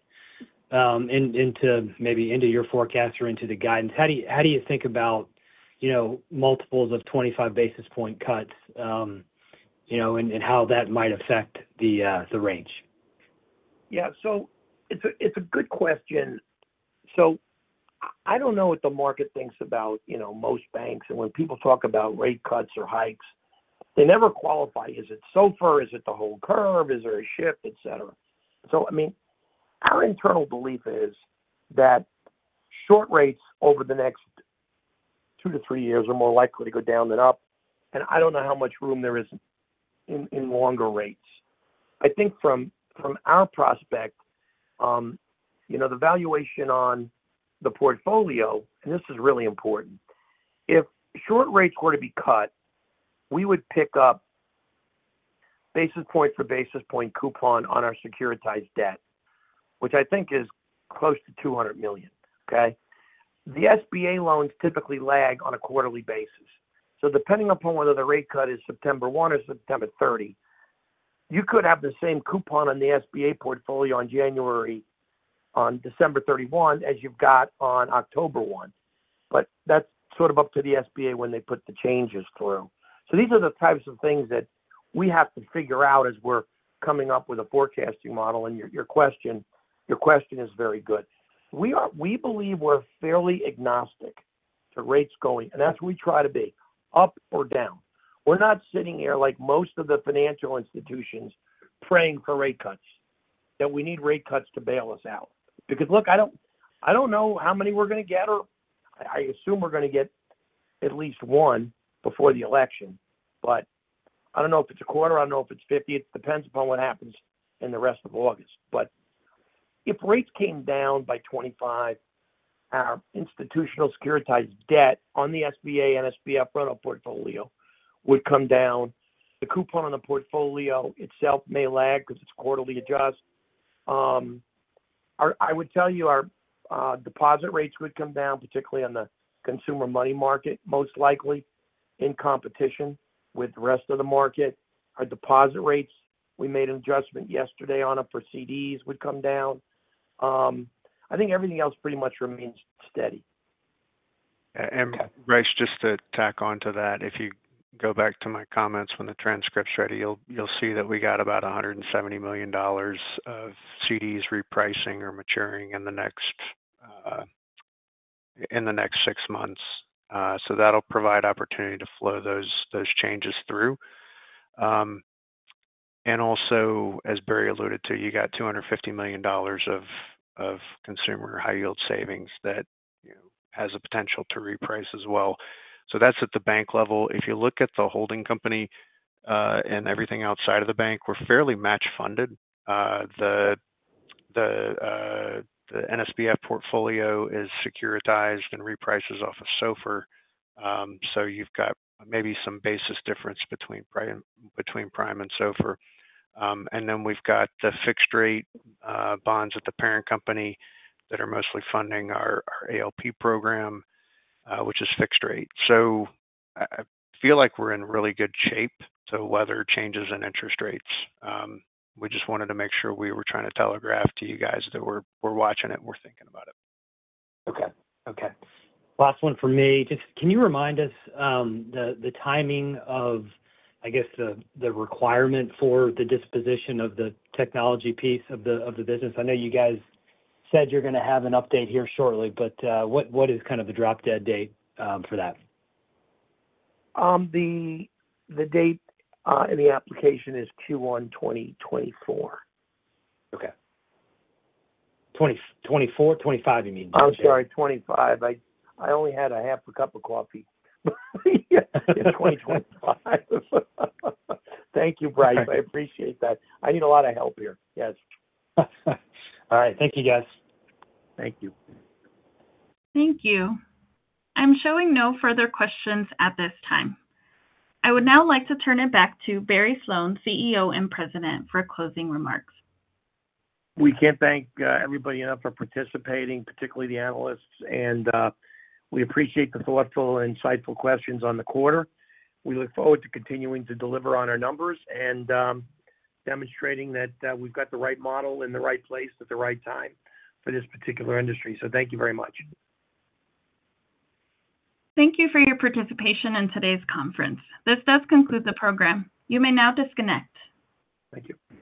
into maybe into your forecast or into the guidance. How do you think about multiples of 25 basis point cuts and how that might affect the range? Yeah. So it's a good question. So I don't know what the market thinks about most banks. And when people talk about rate cuts or hikes, they never qualify, is it so far? Is it the whole curve? Is there a shift, etc.? So I mean, our internal belief is that short rates over the next two to three years are more likely to go down than up. And I don't know how much room there is in longer rates. I think from our perspective, the valuation on the portfolio, and this is really important, if short rates were to be cut, we would pick up basis point for basis point coupon on our securitized debt, which I think is close to $200 million. Okay? The SBA loans typically lag on a quarterly basis. So depending upon whether the rate cut is September 1 or September 30, you could have the same coupon on the SBA portfolio on December 31 as you've got on October 1. But that's sort of up to the SBA when they put the changes through. So these are the types of things that we have to figure out as we're coming up with a forecasting model. And your question is very good. We believe we're fairly agnostic to rates going, and that's what we try to be, up or down. We're not sitting here like most of the financial institutions praying for rate cuts, that we need rate cuts to bail us out. Because look, I don't know how many we're going to get. I assume we're going to get at least one before the election. But I don't know if it's a quarter. I don't know if it's 50. It depends upon what happens in the rest of August. But if rates came down by 25, our institutional securitized debt on the SBA and SBF portfolio would come down. The coupon on the portfolio itself may lag because it's quarterly adjust. I would tell you our deposit rates would come down, particularly on the consumer money market, most likely in competition with the rest of the market. Our deposit rates, we made an adjustment yesterday on it for CDs, would come down. I think everything else pretty much remains steady. Bryce, just to tack on to that, if you go back to my comments when the transcript's ready, you'll see that we got about $170 million of CDs repricing or maturing in the next six months. So that'll provide opportunity to flow those changes through. Also, as Barry alluded to, you got $250 million of consumer high-yield savings that has a potential to reprice as well. So that's at the bank level. If you look at the holding company and everything outside of the bank, we're fairly match-funded. The NSBF portfolio is securitized and reprices off of SOFR. So you've got maybe some basis difference between Prime and SOFR. Then we've got the fixed-rate bonds at the parent company that are mostly funding our ALP program, which is fixed rate. So I feel like we're in really good shape. So whether changes in interest rates. We just wanted to make sure we were trying to telegraph to you guys that we're watching it and we're thinking about it. Okay. Okay. Last one for me. Can you remind us the timing of, I guess, the requirement for the disposition of the technology piece of the business? I know you guys said you're going to have an update here shortly, but what is kind of the drop-dead date for that? The date in the application is Q1 2024. Okay. 2024, 2025, you mean? I'm sorry, 2025. I only had a half a cup of coffee in 2025. Thank you, Bryce. I appreciate that. I need a lot of help here. Yes. All right. Thank you, guys. Thank you. Thank you. I'm showing no further questions at this time. I would now like to turn it back to Barry Sloane, CEO and President, for closing remarks. We can't thank everybody enough for participating, particularly the analysts. We appreciate the thoughtful and insightful questions on the quarter. We look forward to continuing to deliver on our numbers and demonstrating that we've got the right model in the right place at the right time for this particular industry. Thank you very much. Thank you for your participation in today's conference. This does conclude the program. You may now disconnect. Thank you.